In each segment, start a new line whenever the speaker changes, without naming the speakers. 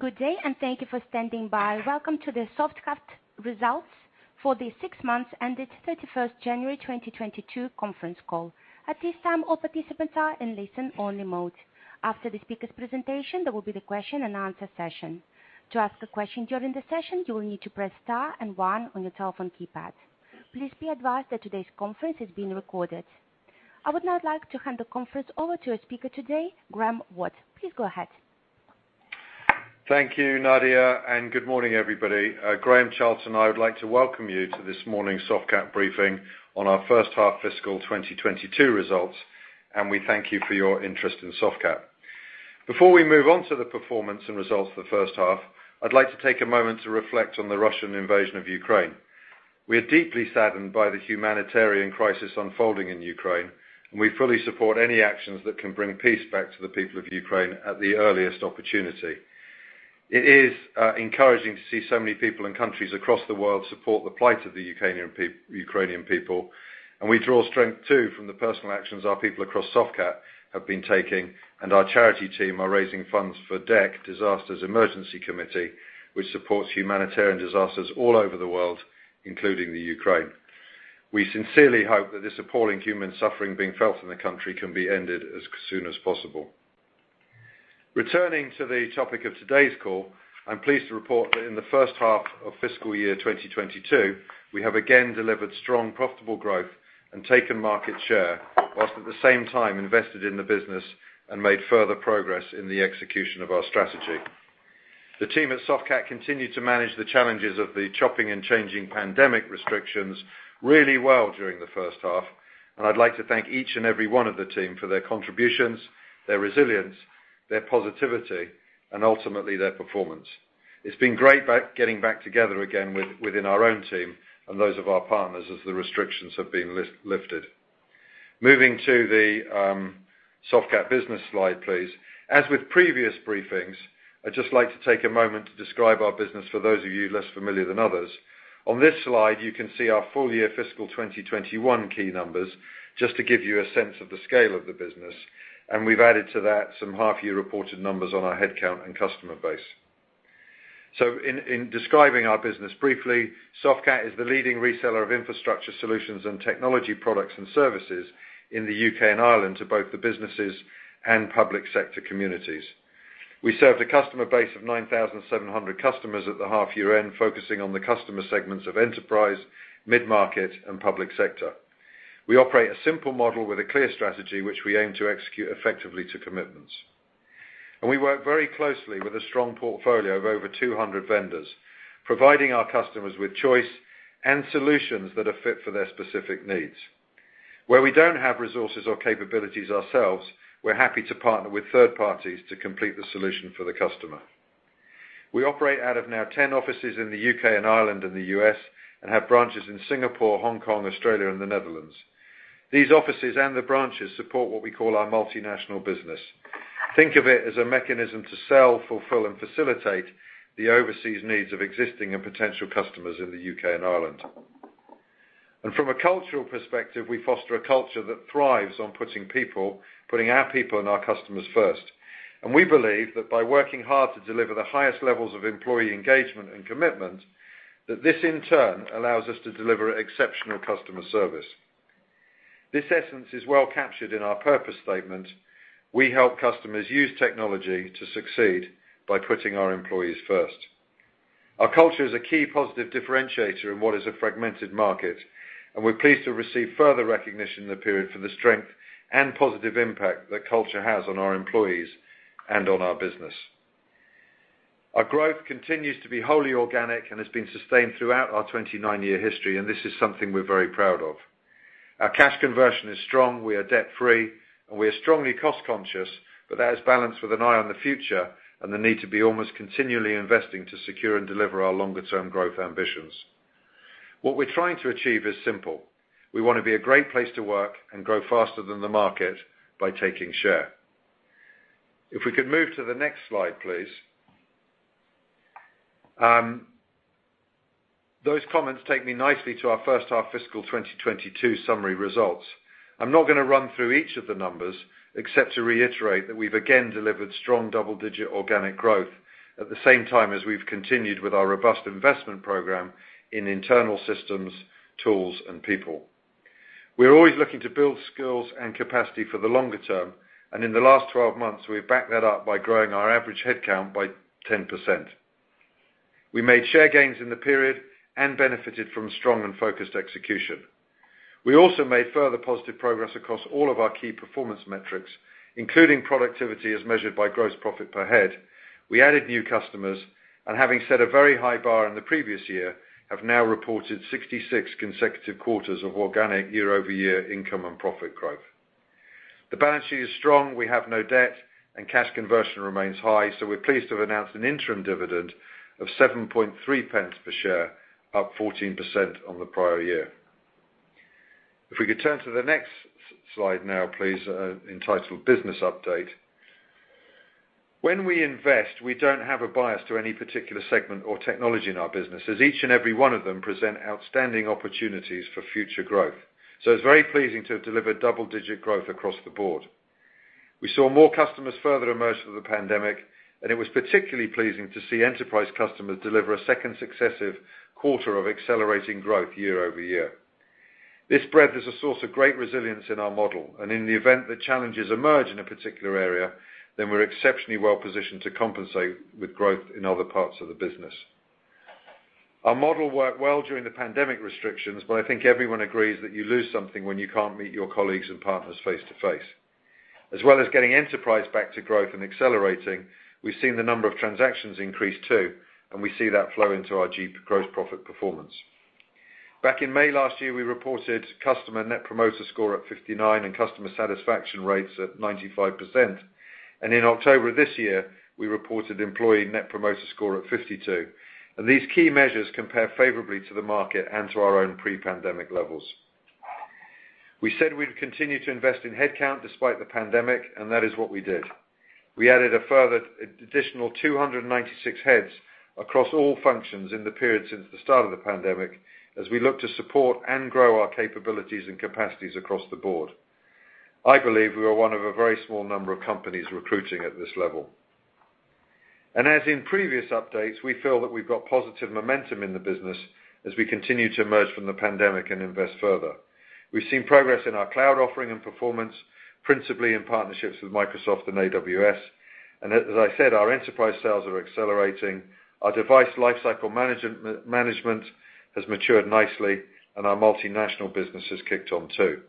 Good day, and thank you for standing by. Welcome to the Softcat results for the six months ended January 31, 2022 conference call. At this time, all participants are in listen-only mode. After the speaker's presentation, there will be the question and answer session. To ask a question during the session, you will need to press star and One on your telephone keypad. Please be advised that today's conference is being recorded. I would now like to hand the conference over to our speaker today, Graeme Watt. Please go ahead.
Thank you, Nadia, and good morning, everybody. Graham Charlton, I would like to welcome you to this morning's Softcat briefing on our first-half fiscal 2022 results, and we thank you for your interest in Softcat. Before we move on to the performance and results for the first half, I'd like to take a moment to reflect on the Russian invasion of Ukraine. We are deeply saddened by the humanitarian crisis unfolding in Ukraine, and we fully support any actions that can bring peace back to the people of Ukraine at the earliest opportunity. It is encouraging to see so many people and countries across the world support the plight of the Ukrainian people, and we draw strength too from the personal actions our people across Softcat have been taking, and our charity team are raising funds for DEC, Disasters Emergency Committee, which supports humanitarian disasters all over the world, including the Ukraine. We sincerely hope that this appalling human suffering being felt in the country can be ended as soon as possible. Returning to the topic of today's call, I'm pleased to report that in the first half of fiscal year 2022, we have again delivered strong, profitable growth and taken market share, whilst at the same time invested in the business and made further progress in the execution of our strategy. The team at Softcat continued to manage the challenges of the chopping and changing pandemic restrictions really well during the first half, and I'd like to thank each and every one of the team for their contributions, their resilience, their positivity, and ultimately, their performance. It's been great getting back together again within our own team and those of our partners as the restrictions have been lifted. Moving to the Softcat business slide, please. As with previous briefings, I'd just like to take a moment to describe our business for those of you less familiar than others. On this slide, you can see our full year fiscal 2021 key numbers just to give you a sense of the scale of the business. We've added to that some half-year reported numbers on our head count and customer base. In describing our business briefly, Softcat is the leading reseller of infrastructure solutions and technology products and services in the U.K. and Ireland to both the businesses and public sector communities. We served a customer base of 9,700 customers at the half-year end, focusing on the customer segments of enterprise, mid-market, and public sector. We operate a simple model with a clear strategy which we aim to execute effectively to commitments. We work very closely with a strong portfolio of over 200 vendors, providing our customers with choice and solutions that are fit for their specific needs. Where we don't have resources or capabilities ourselves, we're happy to partner with third parties to complete the solution for the customer. We operate out of now 10 offices in the U.K. and Ireland and the U.S., and have branches in Singapore, Hong Kong, Australia, and the Netherlands. These offices and the branches support what we call our multinational business. Think of it as a mechanism to sell, fulfill, and facilitate the overseas needs of existing and potential customers in the U.K. and Ireland. From a cultural perspective, we foster a culture that thrives on putting our people and our customers first. We believe that by working hard to deliver the highest levels of employee engagement and commitment, that this in turn allows us to deliver exceptional customer service. This essence is well captured in our purpose statement. We help customers use technology to succeed by putting our employees first. Our culture is a key positive differentiator in what is a fragmented market, and we're pleased to receive further recognition in the period for the strength and positive impact that culture has on our employees and on our business. Our growth continues to be wholly organic and has been sustained throughout our 29-year history, and this is something we're very proud of. Our cash conversion is strong, we are debt free, and we are strongly cost conscious, but that is balanced with an eye on the future and the need to be almost continually investing to secure and deliver our longer-term growth ambitions. What we're trying to achieve is simple. We wanna be a Great Place to Work and grow faster than the market by taking share. If we could move to the next slide, please. Those comments take me nicely to our first-half fiscal 2022 summary results. I'm not gonna run through each of the numbers except to reiterate that we've again delivered strong double-digit organic growth at the same time as we've continued with our robust investment program in internal systems, tools and people. We're always looking to build skills and capacity for the longer term, and in the last 12 months, we've backed that up by growing our average head count by 10%. We made share gains in the period and benefited from strong and focused execution. We also made further positive progress across all of our key performance metrics, including productivity as measured by gross profit per head. We added new customers, and having set a very high bar in the previous year, have now reported 66 consecutive quarters of organic year-over-year income and profit growth. The balance sheet is strong, we have no debt, and cash conversion remains high, so we're pleased to have announced an interim dividend of 0.073 per share, up 14% on the prior year. If we could turn to the next slide now, please, entitled Business Update. When we invest, we don't have a bias to any particular segment or technology in our business, as each and every one of them present outstanding opportunities for future growth. It's very pleasing to have delivered double-digit growth across the board. We saw more customers further emerge through the pandemic, and it was particularly pleasing to see enterprise customers deliver a second successive quarter of accelerating growth year-over-year. This breadth is a source of great resilience in our model, and in the event that challenges emerge in a particular area, then we're exceptionally well-positioned to compensate with growth in other parts of the business. Our model worked well during the pandemic restrictions, but I think everyone agrees that you lose something when you can't meet your colleagues and partners face to face. As well as getting enterprise back to growth and accelerating, we've seen the number of transactions increase too, and we see that flow into our gross profit performance. Back in May last year, we reported customer Net Promoter Score at 59 and customer satisfaction rates at 95%. In October this year, we reported employee Net Promoter Score at 52. These key measures compare favorably to the market and to our own pre-pandemic levels. We said we'd continue to invest in head count despite the pandemic, and that is what we did. We added a further additional 296 heads across all functions in the period since the start of the pandemic, as we look to support and grow our capabilities and capacities across the board. I believe we are one of a very small number of companies recruiting at this level. As in previous updates, we feel that we've got positive momentum in the business as we continue to emerge from the pandemic and invest further. We've seen progress in our cloud offering and performance, principally in partnerships with Microsoft and AWS. As I said, our enterprise sales are accelerating, our device life cycle management has matured nicely, and our multinational business has kicked on too.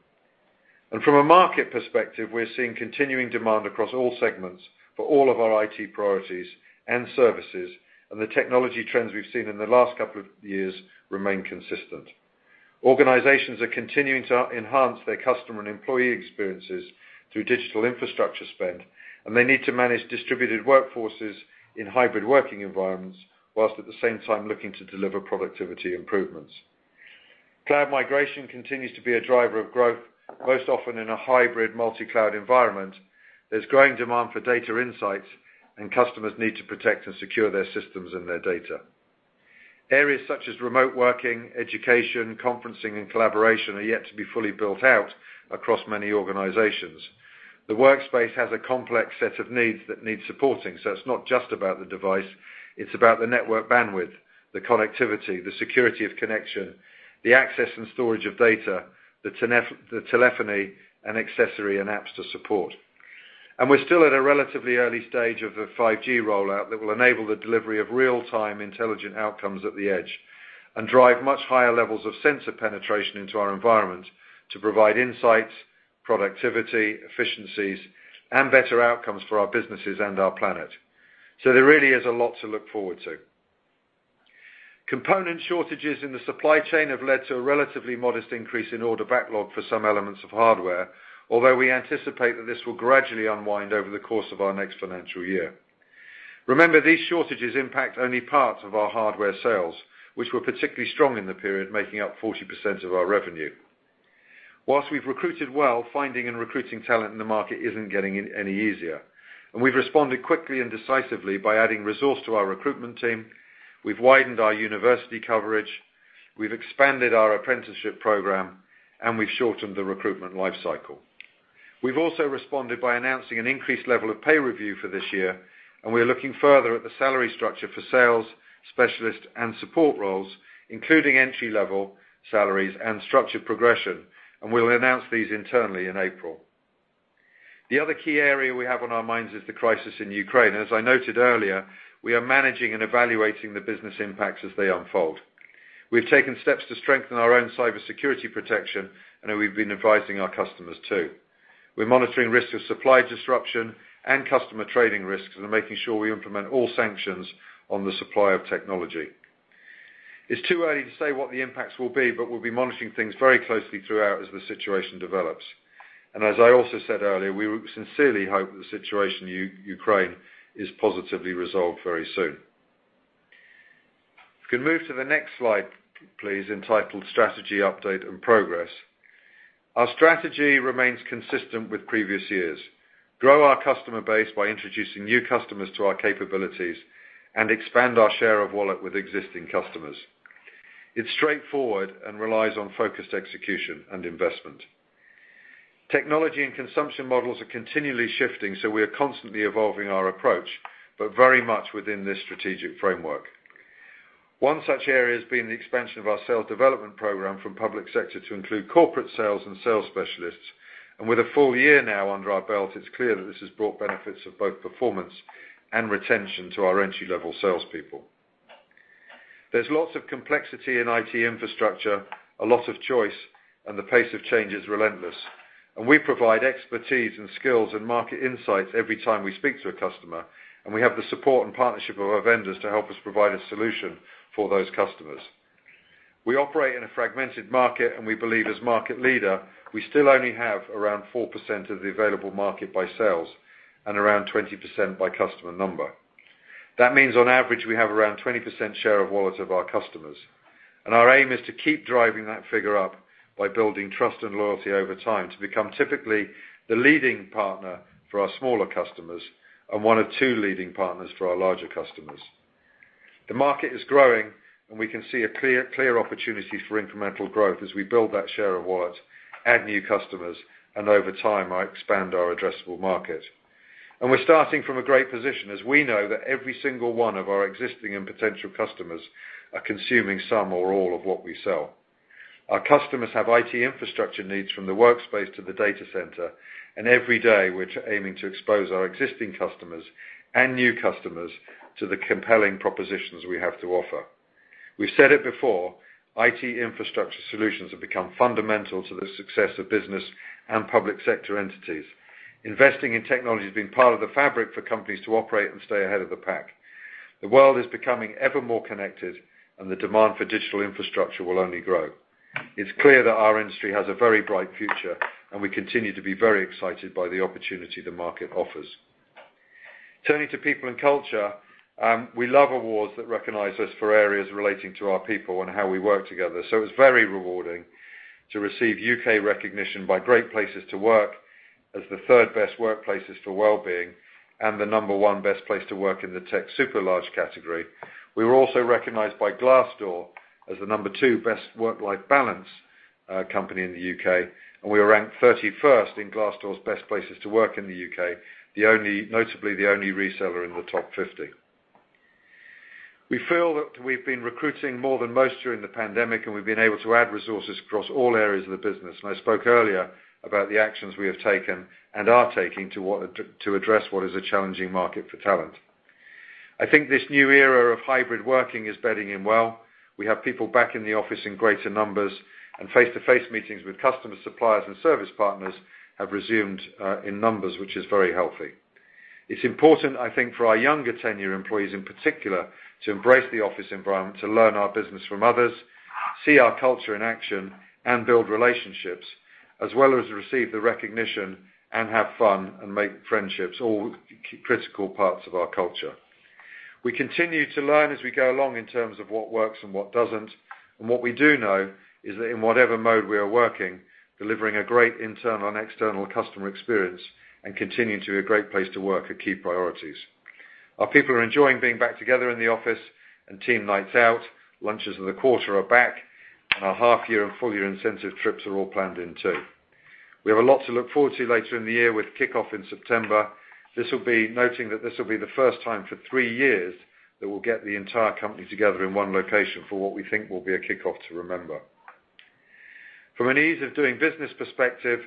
From a market perspective, we're seeing continuing demand across all segments for all of our IT priorities and services, and the technology trends we've seen in the last couple of years remain consistent. Organizations are continuing to enhance their customer and employee experiences through digital infrastructure spend, and they need to manage distributed workforces in hybrid working environments, while at the same time looking to deliver productivity improvements. Cloud migration continues to be a driver of growth, most often in a hybrid multi-cloud environment. There's growing demand for data insights, and customers need to protect and secure their systems and their data. Areas such as remote working, education, conferencing, and collaboration are yet to be fully built out across many organizations. The workspace has a complex set of needs that need supporting, so it's not just about the device, it's about the network bandwidth, the connectivity, the security of connection, the access and storage of data, the telephony and accessory and apps to support. We're still at a relatively early stage of the 5G rollout that will enable the delivery of real-time intelligent outcomes at the edge and drive much higher levels of sensor penetration into our environment to provide insights, productivity, efficiencies, and better outcomes for our businesses and our planet. There really is a lot to look forward to. Component shortages in the supply chain have led to a relatively modest increase in order backlog for some elements of hardware, although we anticipate that this will gradually unwind over the course of our next financial year. Remember, these shortages impact only parts of our hardware sales, which were particularly strong in the period, making up 40% of our revenue. While we've recruited well, finding and recruiting talent in the market isn't getting any easier. We've responded quickly and decisively by adding resource to our recruitment team. We've widened our university coverage. We've expanded our apprenticeship program, and we've shortened the recruitment life cycle. We've also responded by announcing an increased level of pay review for this year, and we're looking further at the salary structure for sales, specialists, and support roles, including entry-level salaries and structured progression, and we'll announce these internally in April. The other key area we have on our minds is the crisis in Ukraine. As I noted earlier, we are managing and evaluating the business impacts as they unfold. We've taken steps to strengthen our own cybersecurity protection, and we've been advising our customers too. We're monitoring risks of supply disruption and customer trading risks and are making sure we implement all sanctions on the supply of technology. It's too early to say what the impacts will be, but we'll be monitoring things very closely throughout as the situation develops. As I also said earlier, we sincerely hope that the situation in Ukraine is positively resolved very soon. We can move to the next slide, please, entitled Strategy Update and Progress. Our strategy remains consistent with previous years. Grow our customer base by introducing new customers to our capabilities and expand our share of wallet with existing customers. It's straightforward and relies on focused execution and investment. Technology and consumption models are continually shifting, so we are constantly evolving our approach, but very much within this strategic framework. One such area has been the expansion of our sales-development program from public sector to include corporate sales and sales specialists. With a full year now under our belt, it's clear that this has brought benefits of both performance and retention to our entry-level salespeople. There's lots of complexity in IT infrastructure, a lot of choice, and the pace of change is relentless. We provide expertise and skills and market insights every time we speak to a customer, and we have the support and partnership of our vendors to help us provide a solution for those customers. We operate in a fragmented market, and we believe as market leader, we still only have around 4% of the available market by sales and around 20% by customer number. That means on average, we have around 20% share of wallet of our customers. Our aim is to keep driving that figure up by building trust and loyalty over time to become typically the leading partner for our smaller customers and one of two leading partners for our larger customers. The market is growing, and we can see a clear opportunity for incremental growth as we build that share of wallet, add new customers, and over time, expand our addressable market. We're starting from a great position as we know that every single one of our existing and potential customers are consuming some or all of what we sell. Our customers have IT infrastructure needs from the workspace to the data center, and every day, we're aiming to expose our existing customers and new customers to the compelling propositions we have to offer. We've said it before, IT infrastructure solutions have become fundamental to the success of business and public sector entities. Investing in technology is being part of the fabric for companies to operate and stay ahead of the pack. The world is becoming ever more connected, and the demand for digital infrastructure will only grow. It's clear that our industry has a very bright future, and we continue to be very excited by the opportunity the market offers. Turning to people and culture, we love awards that recognize us for areas relating to our people and how we work together. It's very rewarding to receive U.K. recognition by Great Place to Work as the third-best workplaces for well-being and the number one best place to work in the tech super large category. We were also recognized by Glassdoor as the number two best work-life balance company in the U.K., and we were ranked 31st in Glassdoor's best places to work in the U.K., the only notably, the only reseller in the top 50. We feel that we've been recruiting more than most during the pandemic, and we've been able to add resources across all areas of the business. I spoke earlier about the actions we have taken and are taking to address what is a challenging market for talent. I think this new era of hybrid working is bedding in well. We have people back in the office in greater numbers and face-to-face meetings with customers, suppliers, and service partners have resumed in numbers, which is very healthy. It's important, I think, for our younger tenure employees in particular to embrace the office environment, to learn our business from others, see our culture in action, and build relationships, as well as receive the recognition and have fun and make friendships, all critical parts of our culture. We continue to learn as we go along in terms of what works and what doesn't, and what we do know is that in whatever mode we are working, delivering a great internal and external customer experience and continuing to be a Great Place to Work are key priorities. Our people are enjoying being back together in the office, and team nights out, lunches with the quarter are back, and our half year and full year incentive trips are all planned in too. We have a lot to look forward to later in the year with kickoff in September. This will be. noting that this will be the first time for three years that we'll get the entire company together in one location for what we think will be a kickoff to remember. From an ease of doing business perspective,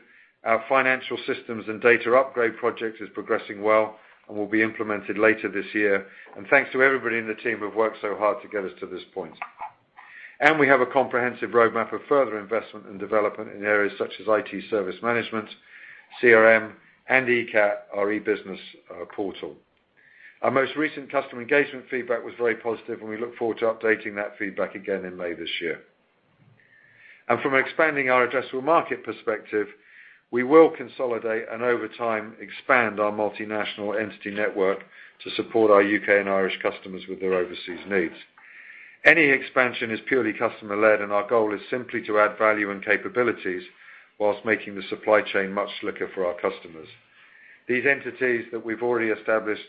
our financial systems and data upgrade project is progressing well and will be implemented later this year. Thanks to everybody in the team who have worked so hard to get us to this point. We have a comprehensive roadmap of further investment and development in areas such as IT service management, CRM, and eCAT, our e-business portal. Our most recent customer engagement feedback was very positive, and we look forward to updating that feedback again in May this year. From expanding our addressable market perspective, we will consolidate and over time expand our multinational entity network to support our U.K. and Irish customers with their overseas needs. Any expansion is purely customer-led, and our goal is simply to add value and capabilities while making the supply chain much slicker for our customers. These entities that we've already established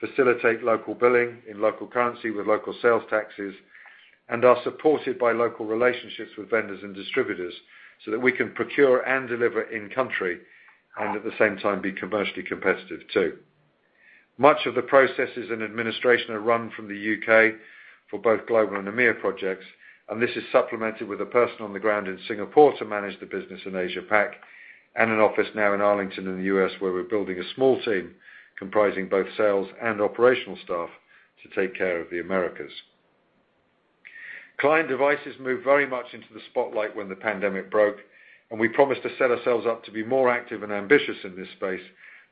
facilitate local billing in local currency with local sales taxes and are supported by local relationships with vendors and distributors so that we can procure and deliver in-country and at the same time be commercially competitive too. Much of the processes and administration are run from the U.K. for both global and EMEA projects, and this is supplemented with a person on the ground in Singapore to manage the business in Asia Pac and an office now in Arlington in the U.S., where we're building a small team comprising both sales and operational staff to take care of the Americas. Client devices moved very much into the spotlight when the pandemic broke, and we promised to set ourselves up to be more active and ambitious in this space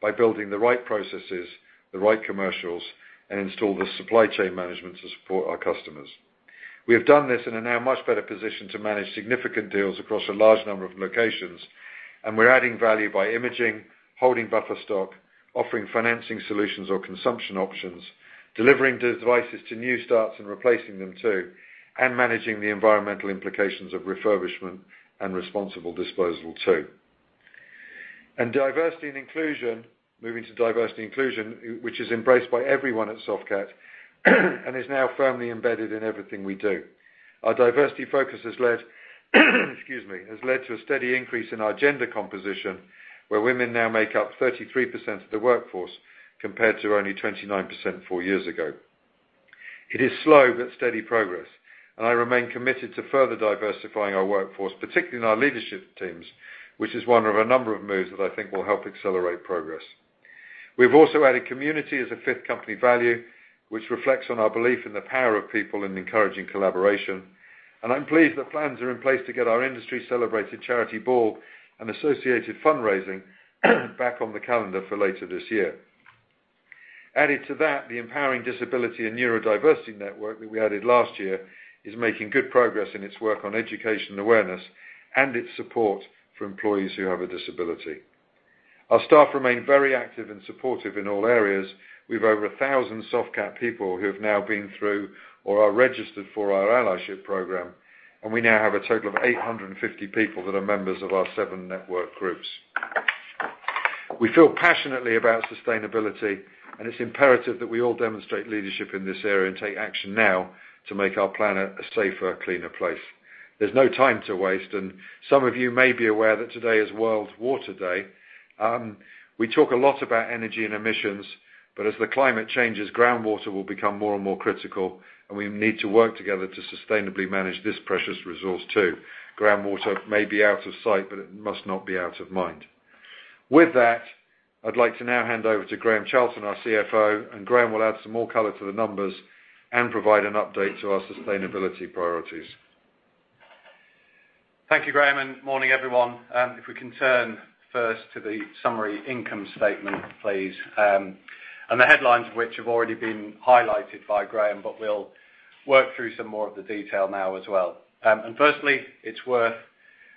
by building the right processes, the right commercials, and install the supply chain management to support our customers. We have done this and are now in a much better position to manage significant deals across a large number of locations, and we're adding value by imaging, holding buffer stock, offering financing solutions or consumption options, delivering devices to new starts and replacing them too, and managing the environmental implications of refurbishment and responsible disposal too. Diversity and inclusion, which is embraced by everyone at Softcat and is now firmly embedded in everything we do. Our diversity focus has led to a steady increase in our gender composition, where women now make up 33% of the workforce compared to only 29% four years ago. It is slow but steady progress, and I remain committed to further diversifying our workforce, particularly in our leadership teams, which is one of a number of moves that I think will help accelerate progress. We've also added community as a fifth company value, which reflects on our belief in the power of people in encouraging collaboration. I'm pleased that plans are in place to get our industry celebrated charity ball and associated fundraising back on the calendar for later this year. Added to that, the Empowering Disability and Neurodiversity Network that we added last year is making good progress in its work on education awareness and its support for employees who have a disability. Our staff remain very active and supportive in all areas. We have over 1,000 Softcat people who have now been through or are registered for our allyship program, and we now have a total of 850 people that are members of our seven network groups. We feel passionately about sustainability, and it's imperative that we all demonstrate leadership in this area and take action now to make our planet a safer, cleaner place. There's no time to waste, and some of you may be aware that today is World Water Day. We talk a lot about energy and emissions, but as the climate changes, groundwater will become more and more critical, and we need to work together to sustainably manage this precious resource too. Groundwater may be out of sight, but it must not be out of mind. With that, I'd like to now hand over to Graham Charlton, our CFO, and Graham will add some more color to the numbers and provide an update to our sustainability priorities.
Thank you, Graham, and good morning, everyone. If we can turn first to the Summary Income Statement, please. The headlines which have already been highlighted by Graeme, but we'll work through some more of the detail now as well. Firstly, it's worth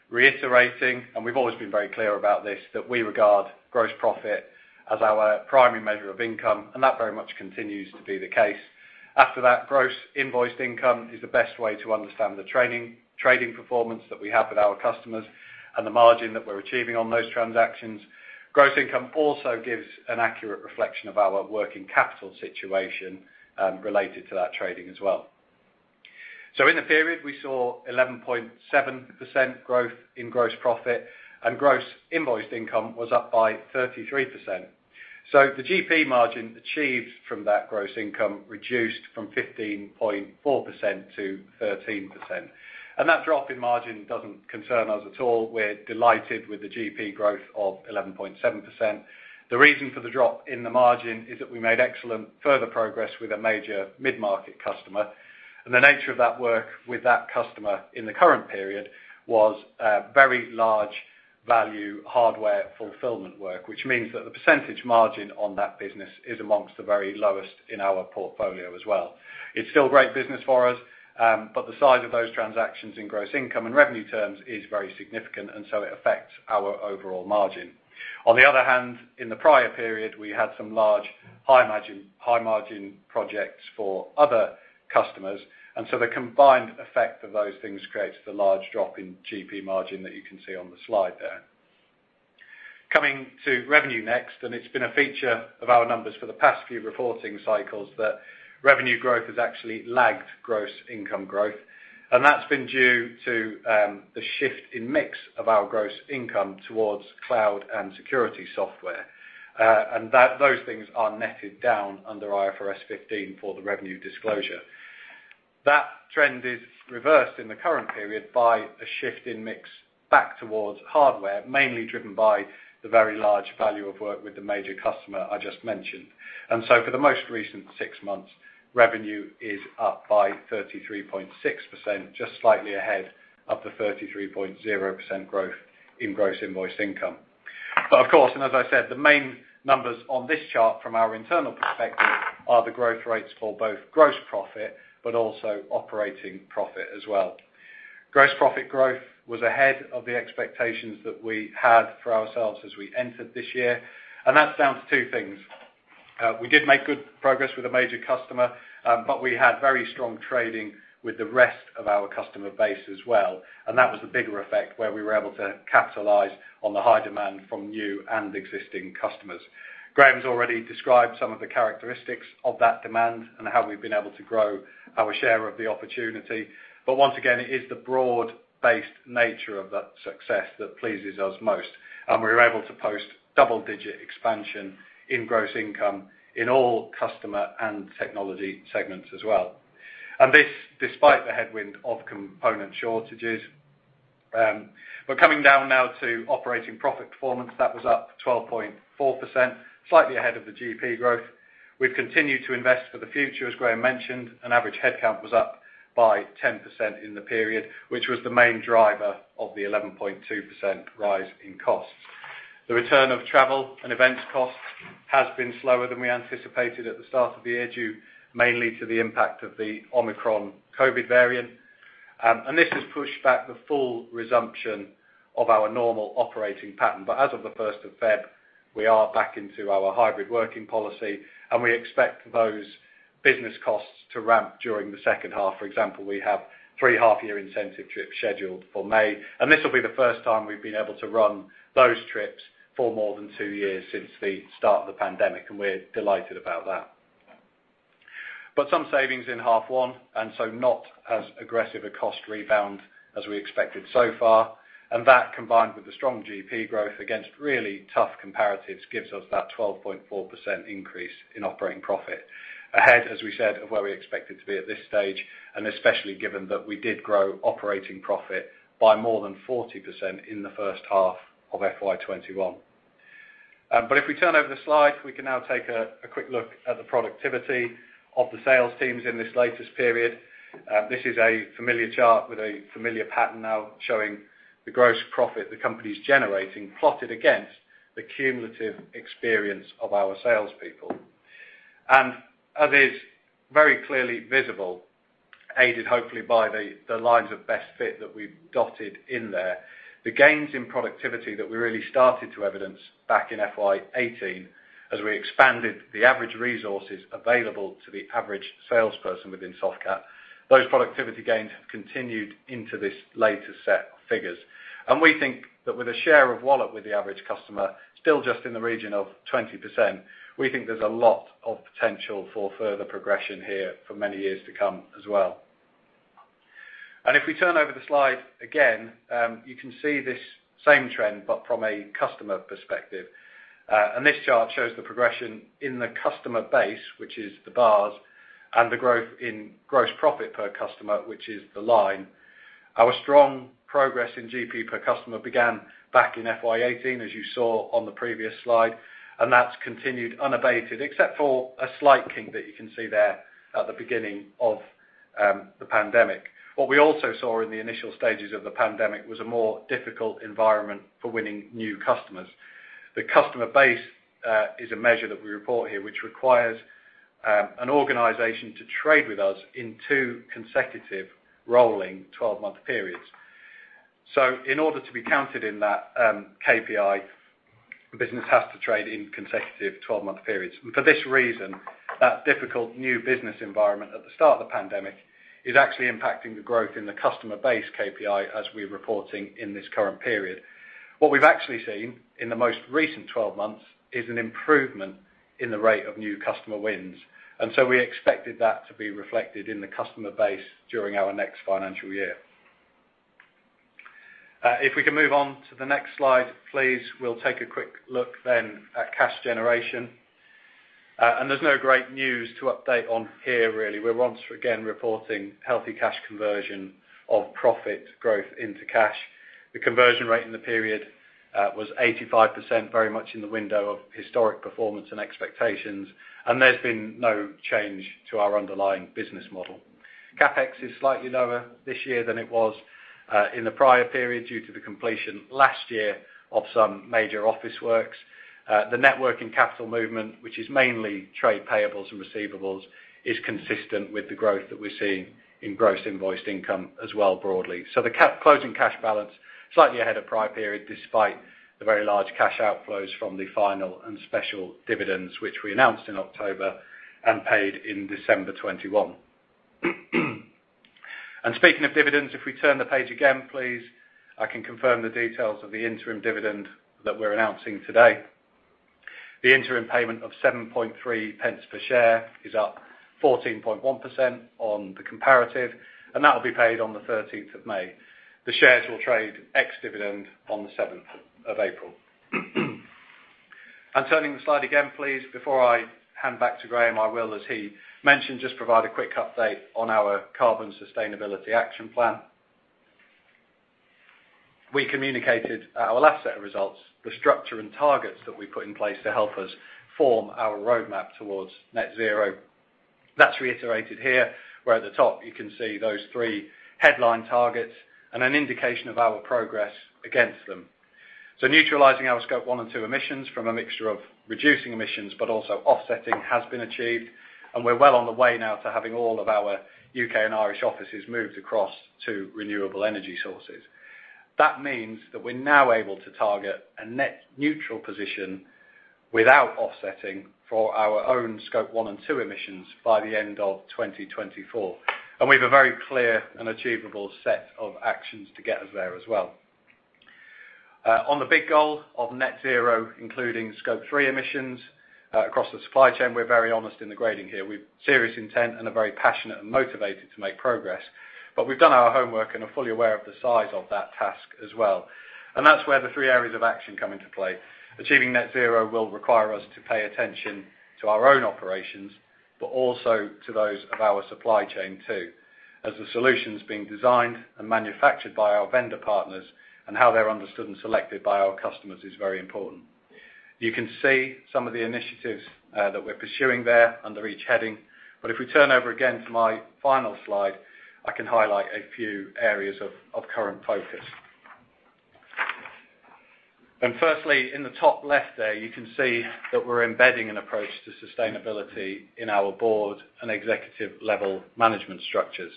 reiterating, and we've always been very clear about this, that we regard Gross Profit as our primary measure of income, and that very much continues to be the case. After that, Gross Invoiced Income is the best way to understand the trading performance that we have with our customers and the margin that we're achieving on those transactions. Gross Income also gives an accurate reflection of our working capital situation, related to that trading as well. In the period, we saw 11.7% growth in Gross Profit, and Gross Invoiced Income was up by 33%. The GP margin achieved from that gross income reduced from 15.4% to 13%. That drop in margin doesn't concern us at all. We're delighted with the GP growth of 11.7%. The reason for the drop in the margin is that we made excellent further progress with a major mid-market customer. The nature of that work with that customer in the current period was a very large value hardware fulfillment work, which means that the percentage margin on that business is amongst the very lowest in our portfolio as well. It's still great business for us, but the size of those transactions in gross income and revenue terms is very significant, and so it affects our overall margin. On the other hand, in the prior period, we had some large, high-margin projects for other customers. The combined effect of those things creates the large drop in GP margin that you can see on the slide there. Coming to revenue next, and it's been a feature of our numbers for the past few reporting cycles that revenue growth has actually lagged gross income growth. That's been due to the shift in mix of our gross income towards cloud and security software. Those things are netted down under IFRS 15 for the revenue disclosure. That trend is reversed in the current period by a shift in mix back towards hardware, mainly driven by the very large value of work with the major customer I just mentioned. For the most recent six months, revenue is up by 33.6%, just slightly ahead of the 33.0% growth in Gross Invoiced Income. Of course, and as I said, the main numbers on this chart from our internal perspective the growth rates for both gross profit but also operating profit as well. Gross profit growth was ahead of the expectations that we had for ourselves as we entered this year, and that's down to two things. We did make good progress with a major customer, but we had very strong trading with the rest of our customer base as well. That was the bigger effect where we were able to capitalize on the high demand from new and existing customers. Graeme's already described some of the characteristics of that demand and how we've been able to grow our share of the opportunity. Once again, it is the broad-based nature of that success that pleases us most. We were able to post double-digit expansion in gross income in all customer and technology segments as well. This despite the headwind of component shortages. Coming down now to operating profit performance, that was up 12.4%, slightly ahead of the GP growth. We've continued to invest for the future, as Graeme mentioned, and average head count was up by 10% in the period, which was the main driver of the 11.2% rise in costs. The return of travel and events costs has been slower than we anticipated at the start of the year, due mainly to the impact of the Omicron COVID variant. This has pushed back the full resumption of our normal operating pattern. As of the February 1st, we are back into our hybrid working policy, and we expect those business costs to ramp during the second half. For example, we have three half-year incentive trips scheduled for May, and this will be the first time we've been able to run those trips for more than two years since the start of the pandemic, and we're delighted about that. Some savings in half one, and so not as aggressive a cost rebound as we expected so far. That, combined with the strong GP growth against really tough comparatives, gives us that 12.4% increase in operating profit. Ahead, as we said, of where we expected to be at this stage, and especially given that we did grow operating profit by more than 40% in the first half of FY 2021. If we turn over the slide, we can now take a quick look at the productivity of the sales teams in this latest period. This is a familiar chart with a familiar pattern now, showing the gross profit the company's generating plotted against the cumulative experience of our salespeople. As is very clearly visible, aided hopefully by the lines of best fit that we've dotted in there. The gains in productivity that we really started to evidence back in FY 2018, as we expanded the average resources available to the average salesperson within Softcat, those productivity gains have continued into this later set of figures. We think that with a share of wallet with the average customer still just in the region of 20%, we think there's a lot of potential for further progression here for many years to come as well. If we turn over the slide again, you can see this same trend, but from a customer perspective. This chart shows the progression in the customer base, which is the bars, and the growth in gross profit per customer, which is the line. Our strong progress in GP per customer began back in FY 2018, as you saw on the previous slide, and that's continued unabated, except for a slight kink that you can see there at the beginning of the pandemic. What we also saw in the initial stages of the pandemic was a more difficult environment for winning new customers. The customer base is a measure that we report here, which requires an organization to trade with us in two consecutive rolling 12-month periods. In order to be counted in that, KPI, the business has to trade in consecutive 12-month periods. For this reason, that difficult new business environment at the start of the pandemic is actually impacting the growth in the customer base KPI as we're reporting in this current period. What we've actually seen in the most recent 12 months is an improvement in the rate of new customer wins, and so we expected that to be reflected in the customer base during our next financial year. If we can move on to the next slide, please. We'll take a quick look then at cash generation. There's no great news to update on here really. We're once again reporting healthy cash conversion of profit growth into cash. The conversion rate in the period was 85%, very much in the window of historic performance and expectations, and there's been no change to our underlying business model. CapEx is slightly lower this year than it was in the prior period due to the completion last year of some major office works. The network and capital movement, which is mainly trade payables and receivables, is consistent with the growth that we're seeing in Gross Invoiced Income as well, broadly. The closing cash balance, slightly ahead of prior period, despite the very large cash outflows from the final and special dividends, which we announced in October and paid in December 2021. Speaking of dividends, if we turn the page again, please, I can confirm the details of the interim dividend that we're announcing today. The interim payment of 0.073 per share is up 14.1% on the comparative, and that will be paid on May 13th. The shares will trade ex-dividend on April 7th. Turning the slide again, please, before I hand back to Graham, I will, as he mentioned, just provide a quick update on our carbon sustainability action plan. We communicated at our last set of results, the structure and targets that we put in place to help us form our roadmap towards net zero. That's reiterated here, where at the top you can see those three headline targets and an indication of our progress against them. Neutralizing our scope 1 and 2 emissions from a mixture of reducing emissions, but also offsetting has been achieved, and we're well on the way now to having all of our U.K. and Irish offices moved across to renewable energy sources. That means that we're now able to target a net neutral position without offsetting for our own scope 1 and 2 emissions by the end of 2024. We have a very clear and achievable set of actions to get us there as well. On the big goal of net zero, including scope 3 emissions, across the supply chain, we're very honest in the grading here. We've serious intent and are very passionate and motivated to make progress. We've done our homework and are fully aware of the size of that task as well. That's where the three areas of action come into play. Achieving net zero will require us to pay attention to our own operations, but also to those of our supply chain too, as the solutions being designed and manufactured by our vendor partners and how they're understood and selected by our customers is very important. You can see some of the initiatives, that we're pursuing there under each heading. If we turn over again to my final slide, I can highlight a few areas of current focus. Firstly, in the top left there, you can see that we're embedding an approach to sustainability in our board and executive-level management structures.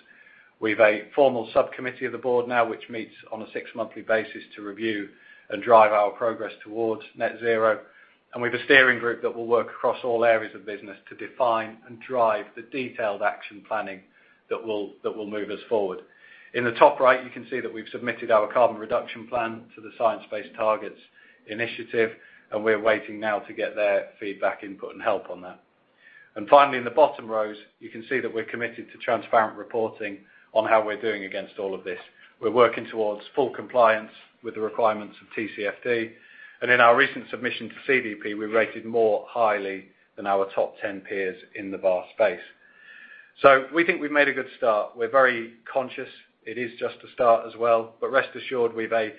We've a formal subcommittee of the board now, which meets on a six monthly basis to review and drive our progress towards net zero. We've a steering group that will work across all areas of business to define and drive the detailed action planning that will move us forward. In the top right, you can see that we've submitted our carbon reduction plan to the Science Based Targets initiative, and we're waiting now to get their feedback, input, and help on that. Finally, in the bottom rows, you can see that we're committed to transparent reporting on how we're doing against all of this. We're working towards full compliance with the requirements of TCFD. In our recent submission to CDP, we rated more highly than our top ten peers in the VAR space. We think we've made a good start. We're very conscious it is just a start as well, but rest assured, we've a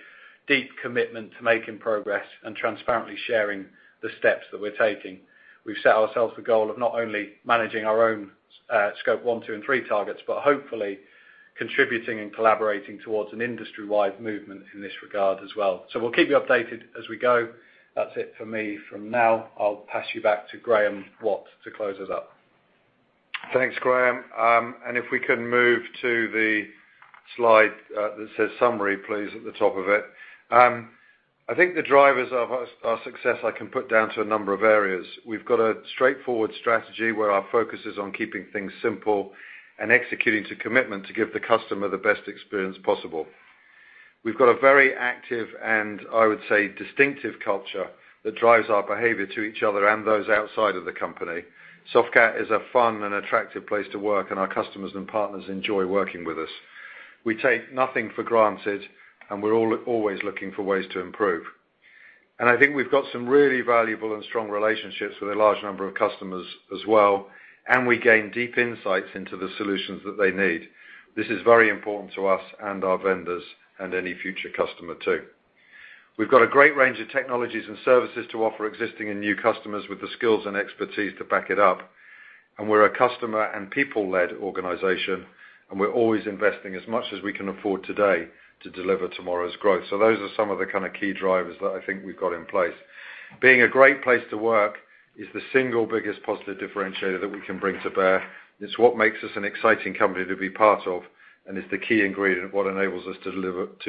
deep commitment to making progress and transparently sharing the steps that we're taking. We've set ourselves the goal of not only managing our own scope 1, 2, and 3 targets, but hopefully Contributing and collaborating towards an industry-wide movement in this regard as well. We'll keep you updated as we go. That's it for me. For now, I'll pass you back to Graeme Watt to close it up.
Thanks, Graham. If we can move to the slide that says summary please, at the top of it. I think the drivers of our success I can put down to a number of areas. We've got a straightforward strategy where our focus is on keeping things simple and executing to commitment to give the customer the best experience possible. We've got a very active, and I would say distinctive culture that drives our behavior to each other and those outside of the company. Softcat is a fun and attractive place to work, and our customers and partners enjoy working with us. We take nothing for granted, and we're always looking for ways to improve. I think we've got some really valuable and strong relationships with a large number of customers as well, and we gain deep insights into the solutions that they need. This is very important to us and our vendors and any future customer too. We've got a great range of technologies and services to offer existing and new customers with the skills and expertise to back it up, and we're a customer and people-led organization, and we're always investing as much as we can afford today to deliver tomorrow's growth. Those are some of the kind of key drivers that I think we've got in place. Being a Great Place to Work is the single biggest positive differentiator that we can bring to bear. It's what makes us an exciting company to be part of, and it's the key ingredient of what enables us to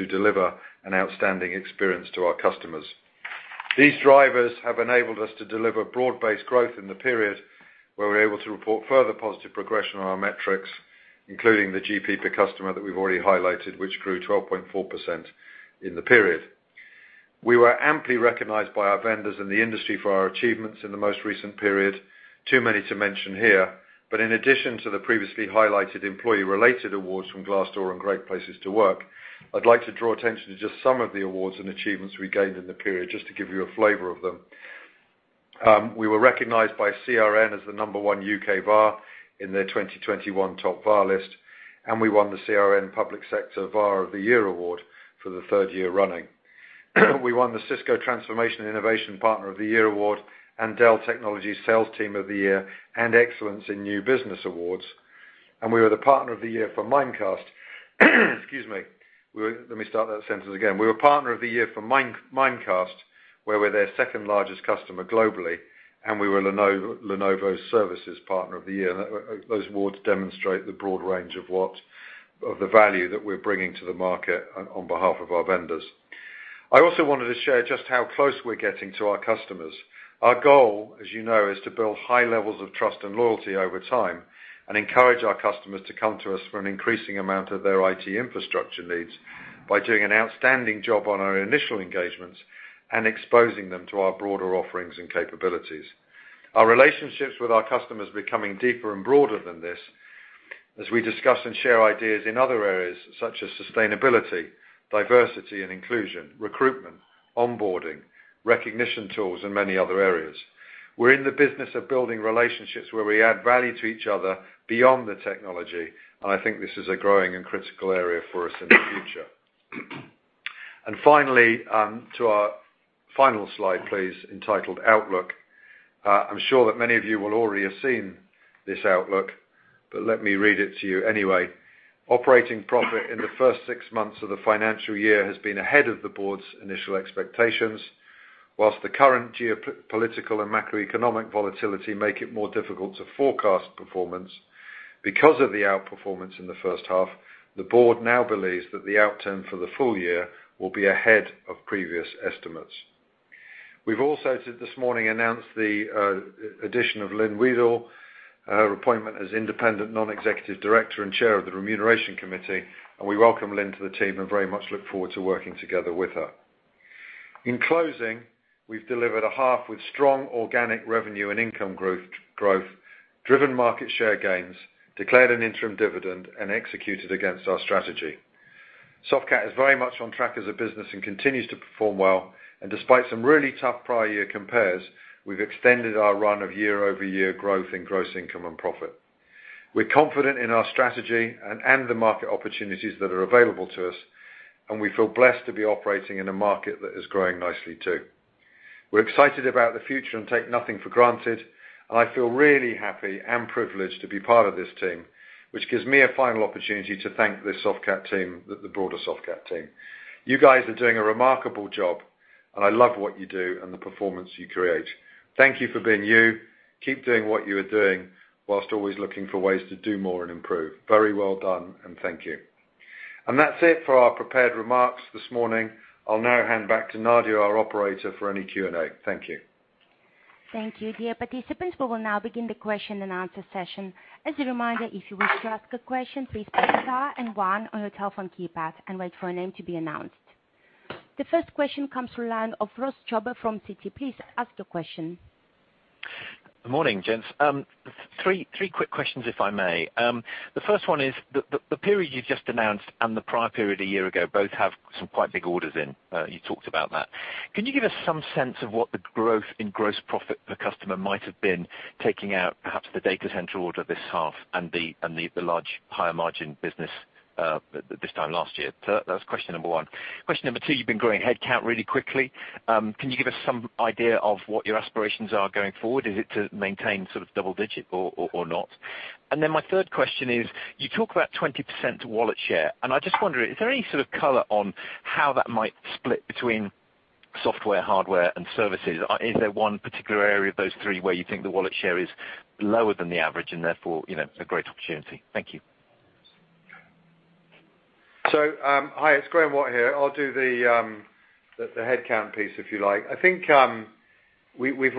deliver an outstanding experience to our customers. These drivers have enabled us to deliver broad-based growth in the period where we're able to report further positive progression on our metrics, including the GP per customer that we've already highlighted, which grew 12.4% in the period. We were amply recognized by our vendors in the industry for our achievements in the most recent period. Too many to mention here, but in addition to the previously highlighted employee-related awards from Glassdoor and Great Place to Work, I'd like to draw attention to just some of the awards and achievements we gained in the period, just to give you a flavor of them. We were recognized by CRN as the number one U.K. VAR in their 2021 top VAR list, and we won the CRN Public Sector VAR of the Year award for the third year running. We won the Cisco Transformation and Innovation Partner of the Year award and Dell Technologies Sales Team of the Year and Excellence in New Business awards, and we were the partner of the year for Mimecast, where we're their second-largest customer globally, and we were Lenovo's services partner of the year. Those awards demonstrate the broad range of the value that we're bringing to the market on behalf of our vendors. I also wanted to share just how close we're getting to our customers. Our goal, as you know, is to build high levels of trust and loyalty over time and encourage our customers to come to us for an increasing amount of their IT infrastructure needs by doing an outstanding job on our initial engagements and exposing them to our broader offerings and capabilities. Our relationships with our customers are becoming deeper and broader than this as we discuss and share ideas in other areas such as sustainability, diversity and inclusion, recruitment, onboarding, recognition tools and many other areas. We're in the business of building relationships where we add value to each other beyond the technology, and I think this is a growing and critical area for us in the future. Finally, to our final slide, please, entitled Outlook. I'm sure that many of you will already have seen this outlook, but let me read it to you anyway. Operating profit in the first six months of the financial year has been ahead of the board's initial expectations. While the current geopolitical and macroeconomic volatility make it more difficult to forecast performance, because of the outperformance in the first half, the board now believes that the outcome for the full year will be ahead of previous estimates. We've also this morning announced the addition of Lynne Weedall, her appointment as Independent Non-Executive Director and Chair of the Remuneration Committee, and we welcome Lynne to the team and very much look forward to working together with her. In closing, we've delivered a half with strong organic revenue and income growth, driven market share gains, declared an interim dividend and executed against our strategy. Softcat is very much on track as a business and continues to perform well. Despite some really tough prior-year compares, we've extended our run of year-over-year growth in gross income and profit. We're confident in our strategy and the market opportunities that are available to us, and we feel blessed to be operating in a market that is growing nicely too. We're excited about the future and take nothing for granted, and I feel really happy and privileged to be part of this team, which gives me a final opportunity to thank the Softcat team, the broader Softcat team. You guys are doing a remarkable job, and I love what you do and the performance you create. Thank you for being you. Keep doing what you are doing while always looking for ways to do more and improve. Very well done and thank you. That's it for our prepared remarks this morning. I'll now hand back to Nadia, our operator, for any Q&A. Thank you.
Thank you. Dear participants, we will now begin the question and answer session. As a reminder, if you wish to ask a question, please press star and one on your telephone keypad and wait for your name to be announced. The first question comes from the line of Ross Jobber from Citi. Please ask your question.
Morning, gents. Three quick questions, if I may. The first one is the period you just announced and the prior period a year ago both have some quite big orders in, you talked about that. Can you give us some sense of what the growth in gross profit per customer might have been taking out perhaps the data center order this half and the large higher margin business this time last year? That was question number one. Question number two, you've been growing headcount really quickly. Can you give us some idea of what your aspirations are going forward? Is it to maintain sort of double-digit or not? My third question is you talk about 20% wallet share, and I just wonder, is there any sort of color on how that might split between software, hardware, and services? Is there one particular area of those three where you think the wallet share is lower than the average and therefore, you know, a great opportunity? Thank you.
Hi, it's Graeme Watt here. I'll do the head count piece, if you like. I think we'd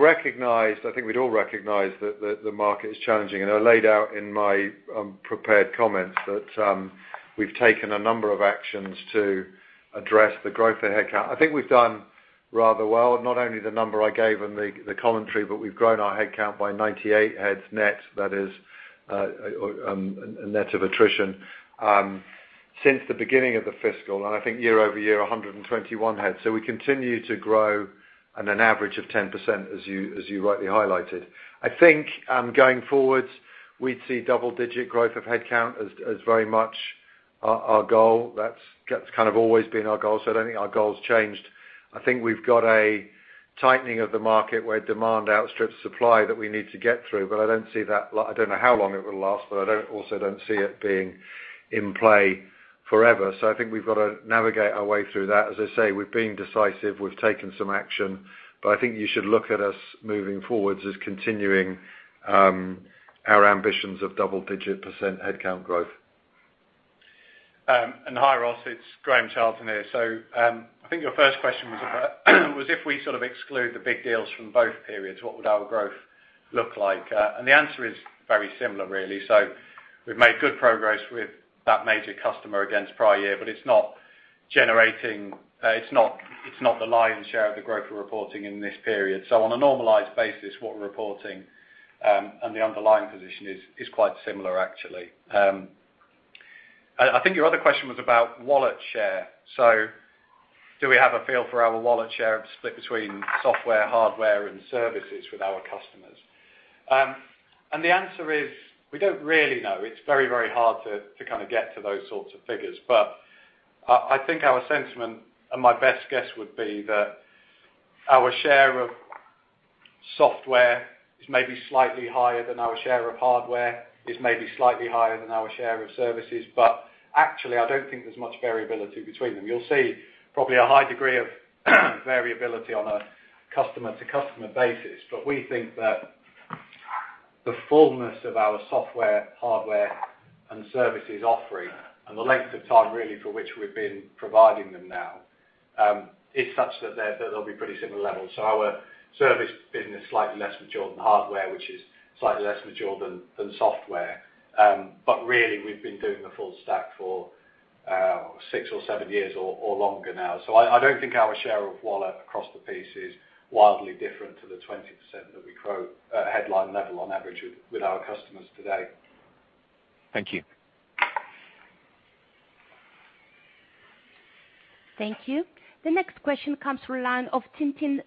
all recognize that the market is challenging. I laid out in my prepared comments that we've taken a number of actions to address the growth in head count. I think we've done rather well, not only the number I gave in the commentary, but we've grown our head count by 98 heads net, that is, net of attrition, since the beginning of the fiscal, and I think year-over-year, 121 heads. We continue to grow at an average of 10% as you rightly highlighted. I think going forward, we'd see double-digit growth of head count as very much our goal. That's kind of always been our goal, so I don't think our goal has changed. I think we've got a tightening of the market where demand outstrips supply that we need to get through, but I don't see that. I don't know how long it will last, but I don't, also don't see it being in play forever. I think we've gotta navigate our way through that. As I say, we've been decisive, we've taken some action, but I think you should look at us moving forward as continuing our ambitions of double-digit % head count growth.
Hi Ross, it's Graham Charlton here. I think your first question was about if we sort of exclude the big deals from both periods, what would our growth look like? The answer is very similar, really. We've made good progress with that major customer against prior year, but it's not generating. It's not the lion's share of the growth we're reporting in this period. On a normalized basis, what we're reporting and the underlying position is quite similar, actually. I think your other question was about wallet share. Do we have a feel for our wallet share split between software, hardware, and services with our customers? The answer is we don't really know. It's very hard to kind of get to those sorts of figures. I think our sentiment and my best guess would be that our share of software is maybe slightly higher than our share of hardware, is maybe slightly higher than our share of services. Actually, I don't think there's much variability between them. You'll see probably a high degree of variability on a customer-to-customer basis. We think that the fullness of our software, hardware, and services offering, and the length of time really for which we've been providing them now, is such that they're, they'll be pretty similar levels. Our service business slightly less mature than hardware, which is slightly less mature than software. Really, we've been doing the full stack for six or seven years or longer now. I don't think our share of wallet across the piece is wildly different to the 20% that we quote, headline level on average with our customers today.
Thank you.
Thank you. The next question comes from the line of Tintin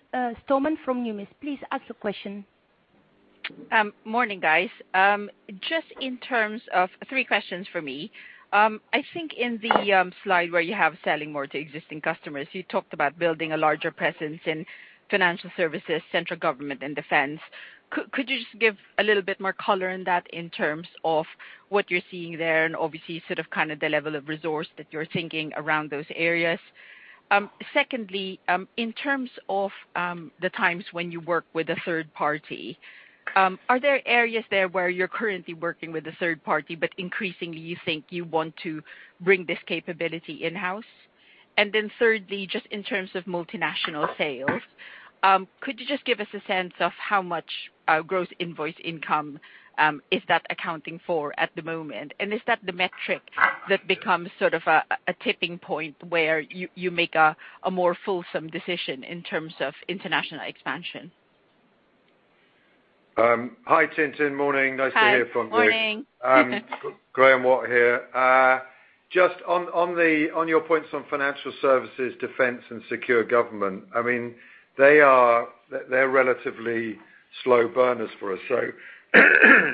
Stormont from Numis. Please ask your question.
Morning, guys. Just in terms of three questions for me. I think in the slide where you have selling more to existing customers, you talked about building a larger presence in financial services, central government, and defense. Could you just give a little bit more color in that in terms of what you're seeing there and obviously sort of, kind of the level of resource that you're thinking around those areas? Secondly, in terms of the times when you work with a third party, are there areas there where you're currently working with a third party, but increasingly you think you want to bring this capability in-house? Thirdly, just in terms of multinational sales, could you just give us a sense of how much gross invoiced income is that accounting for at the moment? Is that the metric that becomes sort of a tipping point where you make a more fulsome decision in terms of international expansion?
Hi, Tintin. Morning. Nice to hear from you.
Hi. Morning.
Graeme Watt here. Just on your points on financial services, defense, and secure government. I mean, they're relatively slow burners for us.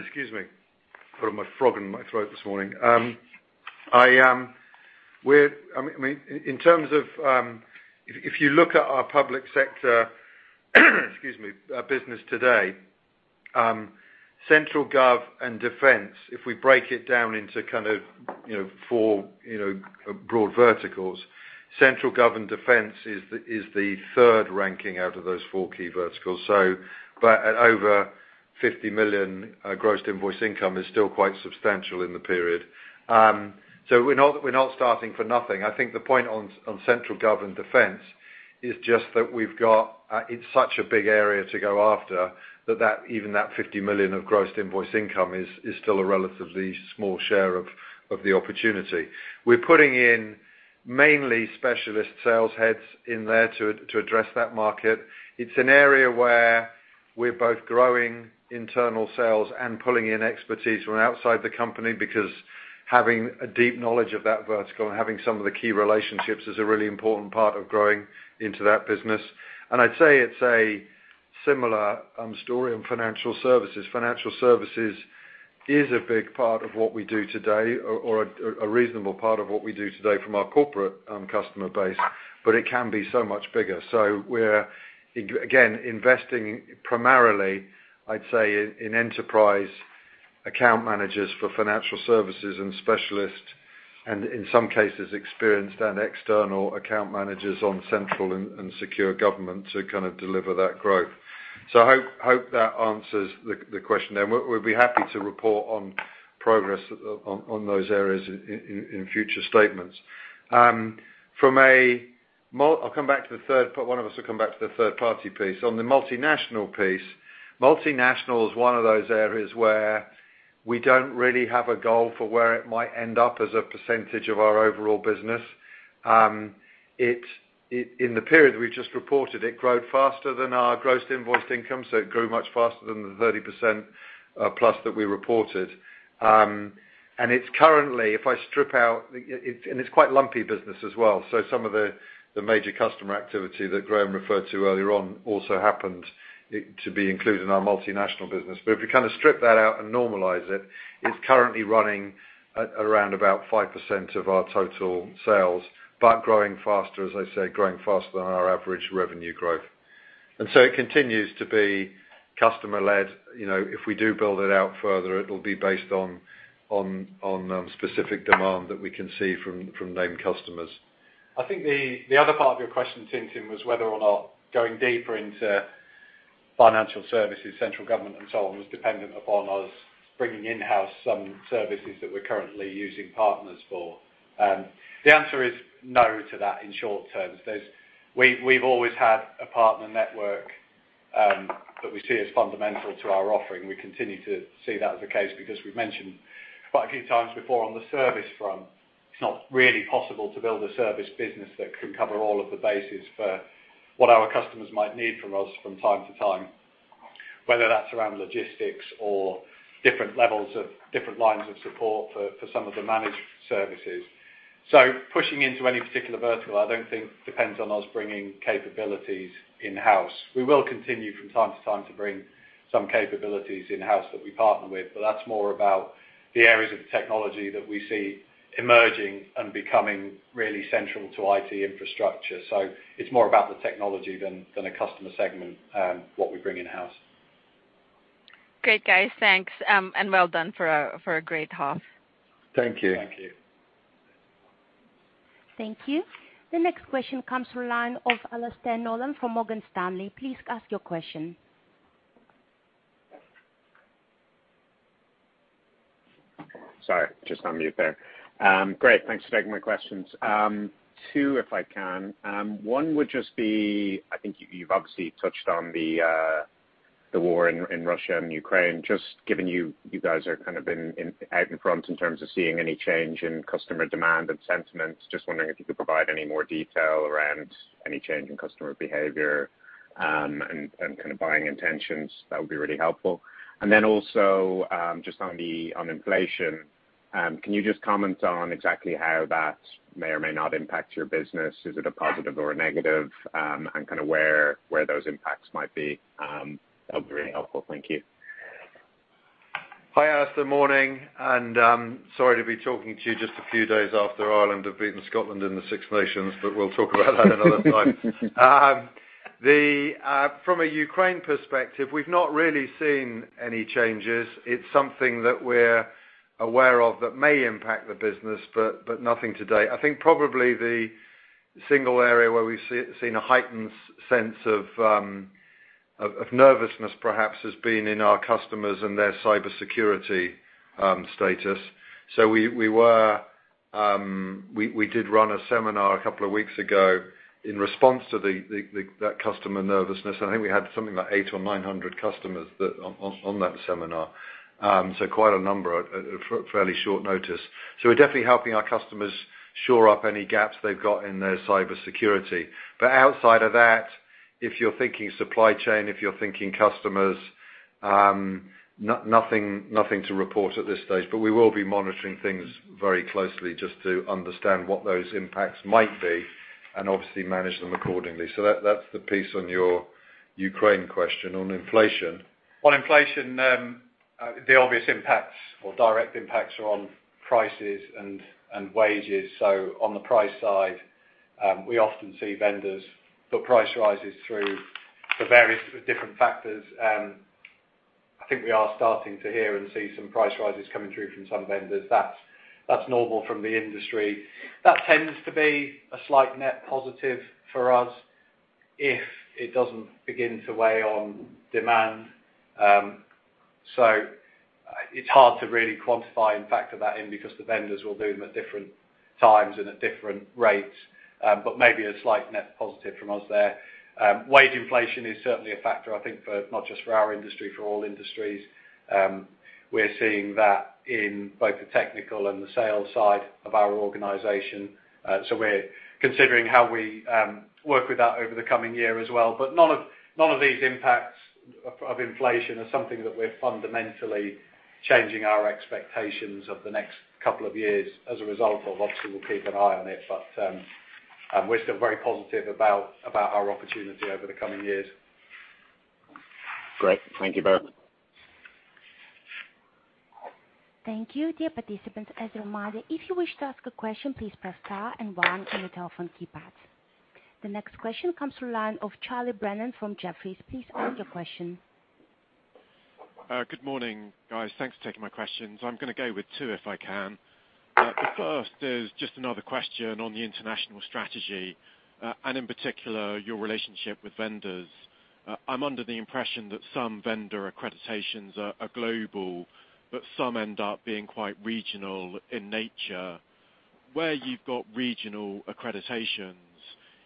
Excuse me. Got a frog in my throat this morning. I mean, in terms of if you look at our public sector business today, central gov and defense, if we break it down into kind of, you know, four, you know, broad verticals, central gov and defense is the third ranking out of those four key verticals. But at over 50 million Gross Invoiced Income is still quite substantial in the period. We're not starting for nothing. I think the point on central gov and defense is just that we've got it's such a big area to go after that even that 50 million of Gross Invoiced Income is still a relatively small share of the opportunity. We're putting in mainly specialist sales heads in there to address that market. It's an area where we're both growing internal sales and pulling in expertise from outside the company because having a deep knowledge of that vertical and having some of the key relationships is a really important part of growing into that business. I'd say it's a similar story in financial services. Financial services is a big part of what we do today or a reasonable part of what we do today from our corporate customer base, but it can be so much bigger. We're again investing primarily, I'd say in enterprise account managers for financial services and specialists, and in some cases, experienced and external account managers on central and secure government to kind of deliver that growth. I hope that answers the question there. We'll be happy to report on progress on those areas in future statements. One of us will come back to the third party piece. On the multinational piece, multinational is one of those areas where we don't really have a goal for where it might end up as a percentage of our overall business. It in the period we just reported, it grew faster than our Gross Invoiced Income, so it grew much faster than the 30%+ that we reported. It's currently, if I strip out. It's quite lumpy business as well, so some of the major customer activity that Graham referred to earlier on also happened to be included in our multinational business. If you kind of strip that out and normalize it's currently running at around about 5% of our total sales, but growing faster, as I say, than our average revenue growth. It continues to be customer-led. You know, if we do build it out further, it'll be based on specific demand that we can see from named customers.
I think the other part of your question, Tintin, was whether or not going deeper into financial services, central government and so on, was dependent upon us bringing in-house some services that we're currently using partners for. The answer is no to that in short terms. We've always had a partner network that we see as fundamental to our offering. We continue to see that as the case because we've mentioned quite a few times before on the service front, it's not really possible to build a service business that can cover all of the bases for what our customers might need from us from time to time, whether that's around logistics or different levels of different lines of support for some of the managed services. Pushing into any particular vertical, I don't think depends on us bringing capabilities in-house. We will continue from time to time to bring some capabilities in-house that we partner with, but that's more about the areas of technology that we see emerging and becoming really central to IT infrastructure. It's more about the technology than a customer segment, what we bring in-house.
Great, guys. Thanks, and well done for a great half.
Thank you.
Thank you.
Thank you. The next question comes from the line of Alastair Nolan from Morgan Stanley. Please ask your question.
Sorry, just on mute there. Great. Thanks for taking my questions. Two, if I can. One would just be, I think you've obviously touched on the war in Russia and Ukraine. Just given you guys are kind of out in front in terms of seeing any change in customer demand and sentiments, just wondering if you could provide any more detail around any change in customer behavior and kind of buying intentions. That would be really helpful. Also, just on inflation, can you just comment on exactly how that may or may not impact your business? Is it a positive or a negative, and kind of where those impacts might be. That would be really helpful. Thank you.
Hi, Alastair. Morning, sorry to be talking to you just a few days after Ireland have beaten Scotland in the Six Nations, but we'll talk about that another time. From a Ukraine perspective, we've not really seen any changes. It's something that we're aware of that may impact the business, but nothing to date. I think probably the single area where we've seen a heightened sense of nervousness perhaps has been in our customers and their cybersecurity status. We did run a seminar a couple of weeks ago in response to that customer nervousness. I think we had something like 800 or 900 customers that on that seminar. Quite a number at fairly short notice. We're definitely helping our customers shore up any gaps they've got in their cybersecurity. Outside of that, if you're thinking supply chain, if you're thinking customers, nothing to report at this stage. We will be monitoring things very closely just to understand what those impacts might be and obviously manage them accordingly. That's the piece on your Ukraine question on inflation.
On inflation, the obvious impacts or direct impacts are on prices and wages. On the price side, we often see vendors put price rises through for various different factors. I think we are starting to hear and see some price rises coming through from some vendors. That's normal from the industry. That tends to be a slight net positive for us if it doesn't begin to weigh on demand. It's hard to really quantify and factor that in because the vendors will do them at different times and at different rates, but maybe a slight net positive for us there. Wage inflation is certainly a factor, I think for not just our industry, for all industries. We're seeing that in both the technical and the sales side of our organization. We're considering how we work with that over the coming year as well. None of these impacts of inflation are something that we're fundamentally changing our expectations over the next couple of years as a result of. Obviously, we'll keep an eye on it, but we're still very positive about our opportunity over the coming years.
Great. Thank you both.
Thank you, dear participants. As a reminder, if you wish to ask a question, please press star and one on your telephone keypad. The next question comes from the line of Charlie Brennan from Jefferies. Please ask your question.
Good morning, guys. Thanks for taking my questions. I'm gonna go with two, if I can. The first is just another question on the international strategy, and in particular, your relationship with vendors. I'm under the impression that some vendor accreditations are global, but some end up being quite regional in nature. Where you've got regional accreditations,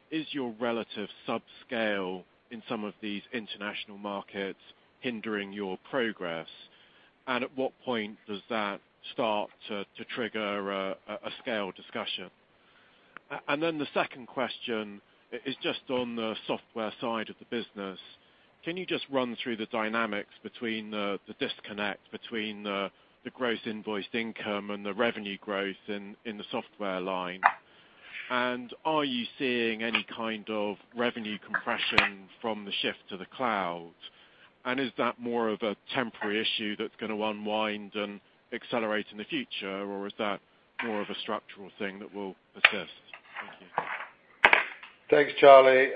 is your relative sub-scale in some of these international markets hindering your progress? And at what point does that start to trigger a scale discussion? And then the second question is just on the software side of the business. Can you just run through the dynamics between the disconnect between the Gross Invoiced Income and the revenue growth in the software line? And are you seeing any kind of revenue compression from the shift to the cloud? Is that more of a temporary issue that's gonna unwind and accelerate in the future, or is that more of a structural thing that will persist? Thank you.
Thanks, Charlie.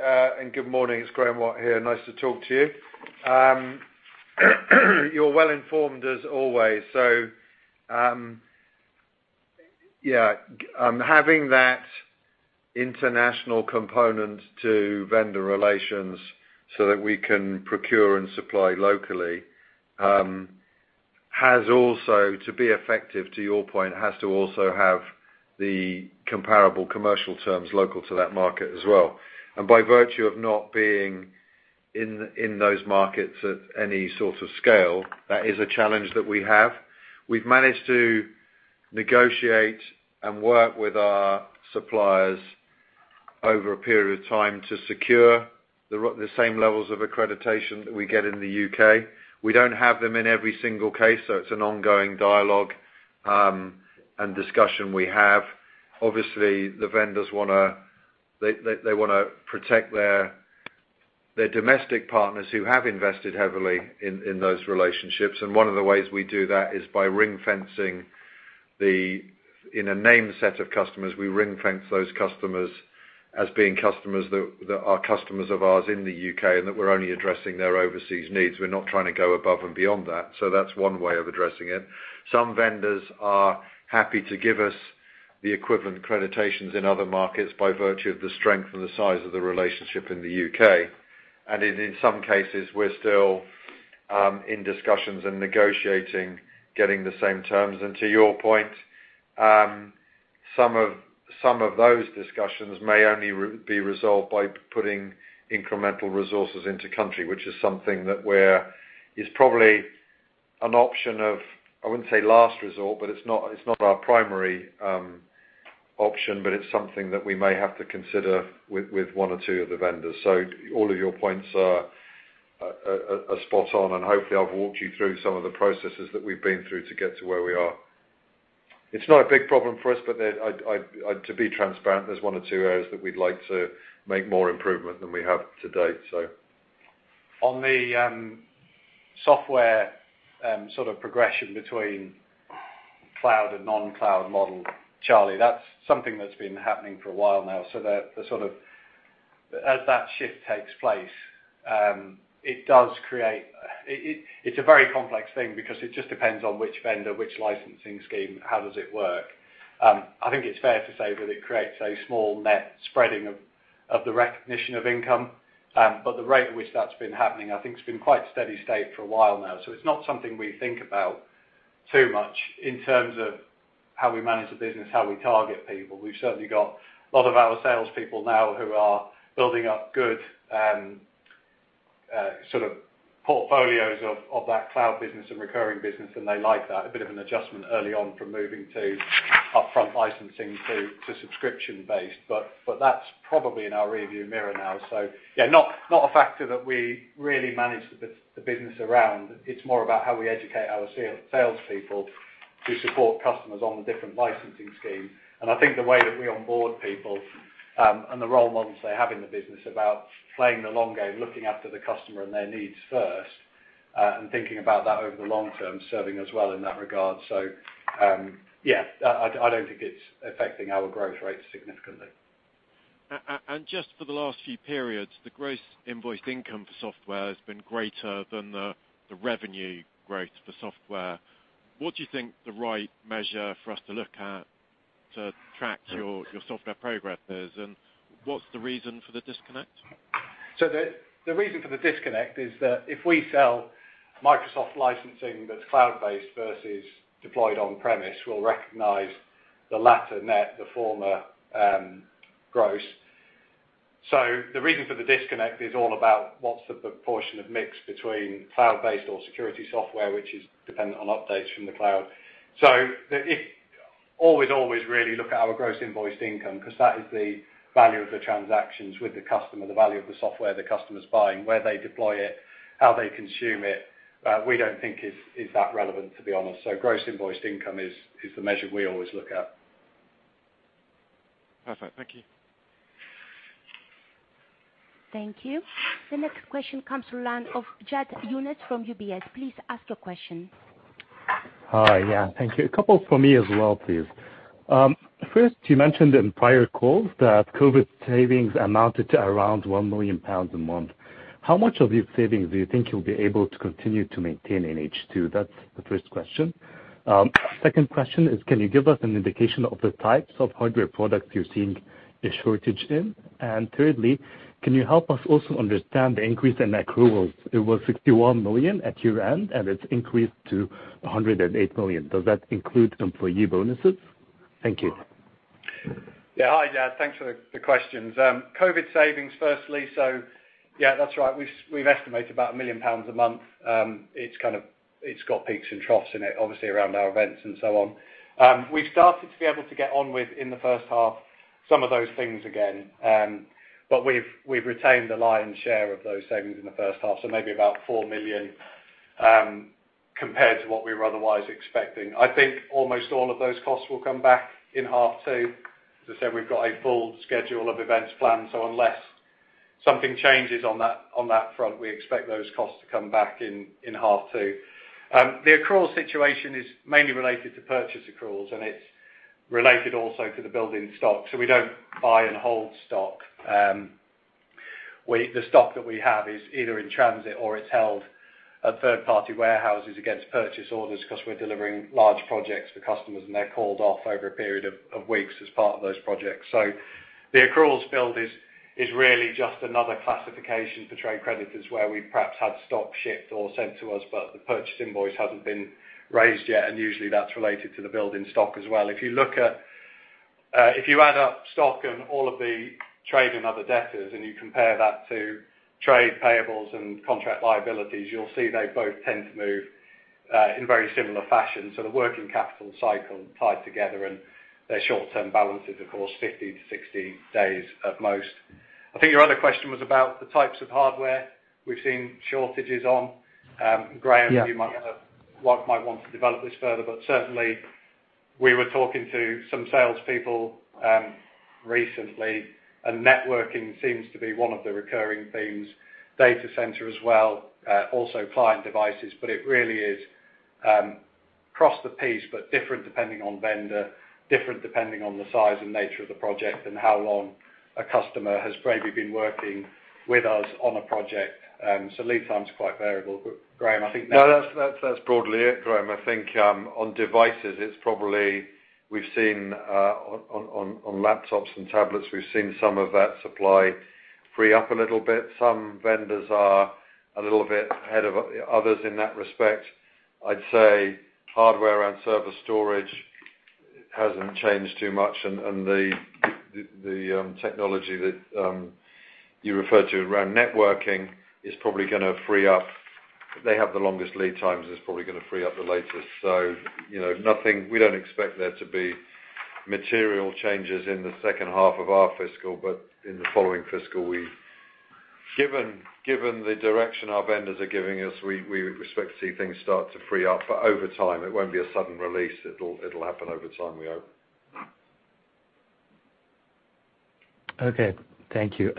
Good morning. It's Graeme Watt here. Nice to talk to you. You're well informed as always. Having that international component to vendor relations so that we can procure and supply locally has also, to your point, has to also have the comparable commercial terms local to that market as well. By virtue of not being in those markets at any sort of scale, that is a challenge that we have. We've managed to negotiate and work with our suppliers over a period of time to secure the same levels of accreditation that we get in the U.K. We don't have them in every single case, so it's an ongoing dialogue and discussion we have. Obviously, the vendors wanna. They wanna protect their domestic partners who have invested heavily in those relationships, and one of the ways we do that is by ring fencing. In a named set of customers, we ring fence those customers as being customers of ours in the U.K., and that we're only addressing their overseas needs. We're not trying to go above and beyond that. That's one way of addressing it. Some vendors are happy to give us the equivalent accreditations in other markets by virtue of the strength and the size of the relationship in the U.K. In some cases, we're still in discussions and negotiating getting the same terms. To your point, some of those discussions may only be resolved by putting incremental resources into country, which is something that we're... is probably an option of, I wouldn't say last resort, but it's not our primary option, but it's something that we may have to consider with one or two of the vendors. All of your points are spot on, and hopefully I've walked you through some of the processes that we've been through to get to where we are. It's not a big problem for us, but I'd like to be transparent, there's one or two areas that we'd like to make more improvement than we have to date.
On the software sort of progression between cloud and non-cloud model, Charlie, that's something that's been happening for a while now, so the sort of as that shift takes place, it does create. It's a very complex thing because it just depends on which vendor, which licensing scheme, how does it work. I think it's fair to say that it creates a small net spreading of the recognition of income, but the rate at which that's been happening, I think, has been quite steady state for a while now. It's not something we think about too much in terms of how we manage the business, how we target people. We've certainly got a lot of our salespeople now who are building up good sort of portfolios of that cloud business and recurring business, and they like that. A bit of an adjustment early on from moving to upfront licensing to subscription-based. That's probably in our rearview mirror now. Yeah, not a factor that we really manage the business around. It's more about how we educate our salespeople to support customers on the different licensing schemes. I think the way that we onboard people and the role models they have in the business about playing the long game, looking after the customer and their needs first and thinking about that over the long term, serving us well in that regard. Yeah, I don't think it's affecting our growth rate significantly.
Just for the last few periods, the Gross Invoiced Income for software has been greater than the revenue growth for software. What do you think the right measure for us to look at to track your software progress is, and what's the reason for the disconnect?
The reason for the disconnect is that if we sell Microsoft licensing that's cloud-based versus deployed on-premise, we'll recognize the latter net, the former, gross. The reason for the disconnect is all about what's the proportion of mix between cloud-based or security software, which is dependent on updates from the cloud. Always really look at our Gross Invoiced Income, 'cause that is the value of the transactions with the customer, the value of the software the customer's buying. Where they deploy it, how they consume it, we don't think is that relevant, to be honest. Gross Invoiced Income is the measure we always look at.
Perfect. Thank you.
Thank you. The next question comes from the line of Jad Younes from UBS. Please ask your question.
Hi. Yeah, thank you. A couple for me as well, please. First, you mentioned in prior calls that COVID savings amounted to around 1 million pounds a month. How much of these savings do you think you'll be able to continue to maintain in H2? That's the first question. Second question is, can you give us an indication of the types of hardware products you're seeing a shortage in? Thirdly, can you help us also understand the increase in accruals? It was 61 million at year-end, and it's increased to 108 million. Does that include employee bonuses? Thank you.
Yeah. Hi, Jad. Thanks for the questions. COVID savings, firstly. Yeah, that's right. We've estimated about 1 million pounds a month. It's kind of. It's got peaks and troughs in it, obviously, around our events and so on. We've started to be able to get on with, in the first half, some of those things again. We've retained the lion's share of those savings in the first half, so maybe about 4 million, compared to what we were otherwise expecting. I think almost all of those costs will come back in half two. As I said, we've got a full schedule of events planned, so unless something changes on that front, we expect those costs to come back in half two. The accrual situation is mainly related to purchase accruals, and it's related also to the building stock. We don't buy and hold stock. The stock that we have is either in transit or it's held at third-party warehouses against purchase orders 'cause we're delivering large projects for customers, and they're called off over a period of weeks as part of those projects. The accruals field is really just another classification for trade creditors, where we perhaps had stock shipped or sent to us, but the purchase invoice hasn't been raised yet, and usually that's related to the building stock as well. If you add up stock and all of the trade and other debtors, and you compare that to trade payables and contract liabilities, you'll see they both tend to move in very similar fashion. The working capital cycle tied together, and their short-term balance is, of course, 50-60 days at most. I think your other question was about the types of hardware we've seen shortages on. Graeme-
Yeah.
might want to develop this further, but certainly we were talking to some salespeople, recently, and networking seems to be one of the recurring themes, data center as well, also client devices. It really is, across the piece, but different depending on vendor, different depending on the size and nature of the project and how long a customer has probably been working with us on a project. Lead time is quite variable. Graeme, I think-
No, that's broadly it, Graeme. I think on devices, it's probably we've seen on laptops and tablets some of that supply free up a little bit. Some vendors are a little bit ahead of others in that respect. I'd say hardware around server storage hasn't changed too much and the technology that you referred to around networking is probably gonna free up. They have the longest lead times, it's probably gonna free up the latest. You know, nothing. We don't expect there to be material changes in the second half of our fiscal year, but in the following fiscal year. Given the direction our vendors are giving us, we would expect to see things start to free up, but over time. It won't be a sudden release. It'll happen over time, we hope.
Okay. Thank you.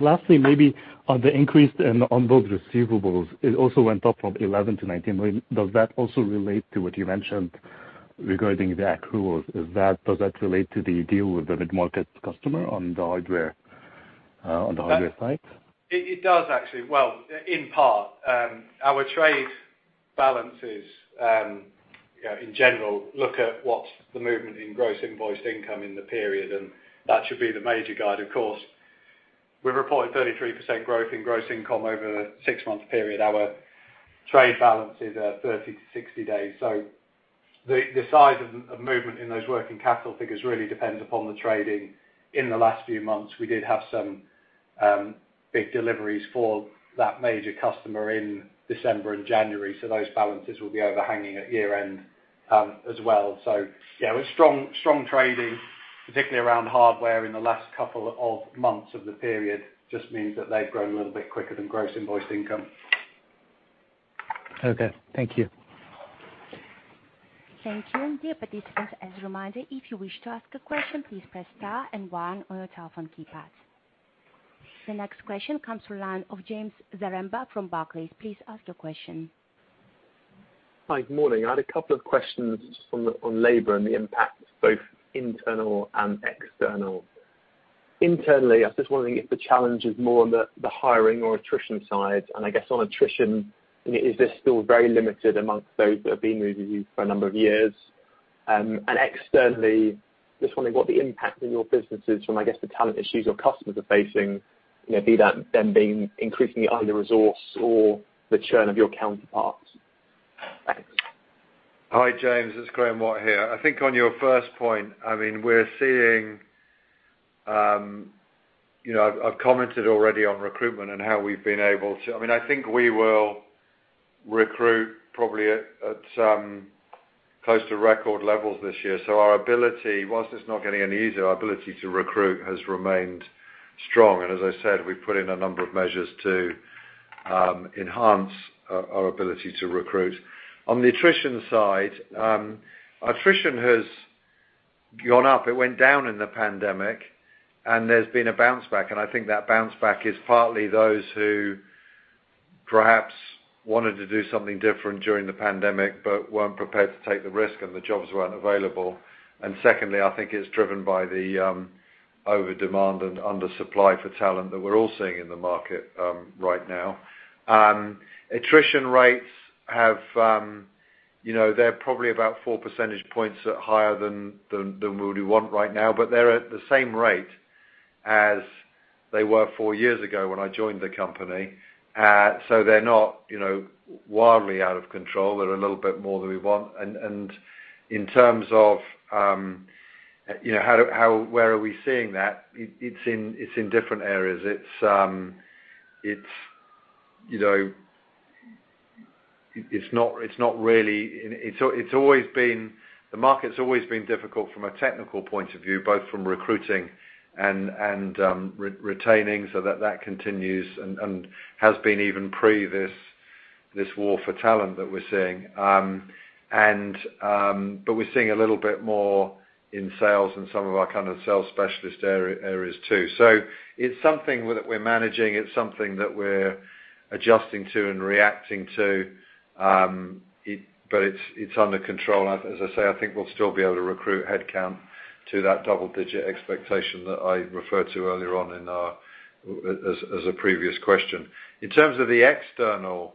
Lastly, maybe on the increase in both receivables, it also went up from 11 million to 19 million. Does that also relate to what you mentioned regarding the accruals? Does that relate to the deal with the mid-market customer on the hardware side?
It does actually. Well, in part. Our trade balances, you know, in general, look at what's the movement in Gross Invoiced Income in the period, and that should be the major guide, of course. We've reported 33% growth in Gross Invoiced Income over a six-month period. Our trade balance is at 30-60 days. The size of movement in those working capital figures really depends upon the trading. In the last few months, we did have some big deliveries for that major customer in December and January, so those balances will be overhanging at year-end, as well. Yeah, with strong trading, particularly around hardware in the last couple of months of the period, just means that they've grown a little bit quicker than Gross Invoiced Income.
Okay. Thank you.
Thank you. Dear participants, as a reminder, if you wish to ask a question, please press star and one on your telephone keypad. The next question comes from the line of James Zaremba from Barclays. Please ask your question.
Hi. Good morning. I had a couple of questions on labor and the impact, both internal and external. Internally, I was just wondering if the challenge is more on the hiring or attrition side. I guess on attrition, I mean, is this still very limited among those that have been with you for a number of years? Externally, just wondering what the impact in your business is from, I guess, the talent issues your customers are facing, you know, be that them being increasingly under-resourced or the churn of your counterparts.
Hi, James. It's Graeme Watt here. I think on your first point, I mean, I've commented already on recruitment. I mean, I think we will recruit probably at close to record levels this year. Our ability, while it's not getting any easier, our ability to recruit has remained strong. As I said, we put in a number of measures to enhance our ability to recruit. On the attrition side, attrition has gone up. It went down in the pandemic, and there's been a bounce back. I think that bounce back is partly those who perhaps wanted to do something different during the pandemic, but weren't prepared to take the risk, and the jobs weren't available. Secondly, I think it's driven by the overdemand and under supply for talent that we're all seeing in the market right now. Attrition rates have you know they're probably about 4 percentage points higher than we would want right now, but they're at the same rate as they were four years ago when I joined the company. So they're not you know wildly out of control. They're a little bit more than we want. In terms of you know where are we seeing that? It's in different areas. It's not really. The market's always been difficult from a technical point of view, both from recruiting and retaining, so that continues and has been even pre this war for talent that we're seeing. We're seeing a little bit more in sales and some of our kind of sales specialist areas too. It's something that we're managing, it's something that we're adjusting to and reacting to. It's under control. As I say, I think we'll still be able to recruit headcount to that double-digit expectation that I referred to earlier on as a previous question. In terms of the external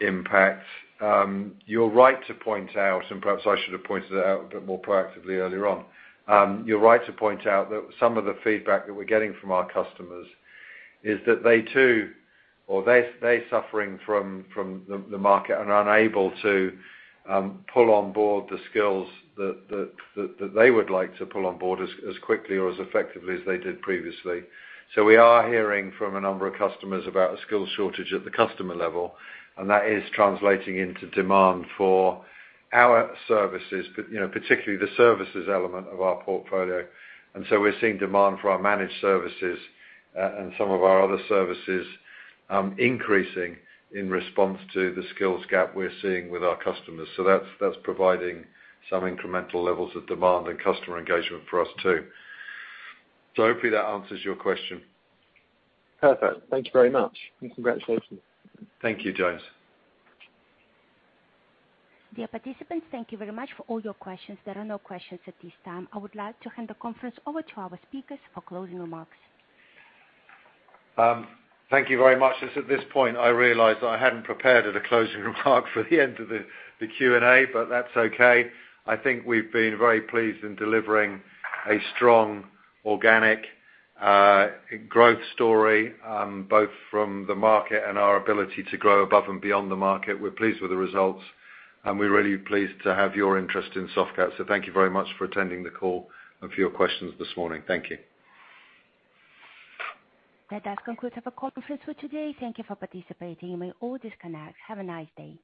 impact, you're right to point out, and perhaps I should have pointed it out a bit more proactively earlier on. You're right to point out that some of the feedback that we're getting from our customers is that they're suffering from the market and are unable to bring on board the skills that they would like to bring on board as quickly or as effectively as they did previously. We're hearing from a number of customers about a skills shortage at the customer level, and that is translating into demand for our services, particularly the services element of our portfolio. We're seeing demand for our managed services and some of our other services increasing in response to the skills gap we're seeing with our customers. That's providing some incremental levels of demand and customer engagement for us too. Hopefully that answers your question.
Perfect. Thank you very much. Congratulations.
Thank you, James.
Dear participants, thank you very much for all your questions. There are no questions at this time. I would like to hand the conference over to our speakers for closing remarks.
Thank you very much. It's at this point, I realized that I hadn't prepared a closing remark for the end of the Q&A, but that's okay. I think we've been very pleased in delivering a strong organic growth story, both from the market and our ability to grow above and beyond the market. We're pleased with the results, and we're really pleased to have your interest in Softcat. Thank you very much for attending the call and for your questions this morning. Thank you.
That does conclude our conference for today. Thank you for participating. You may all disconnect. Have a nice day.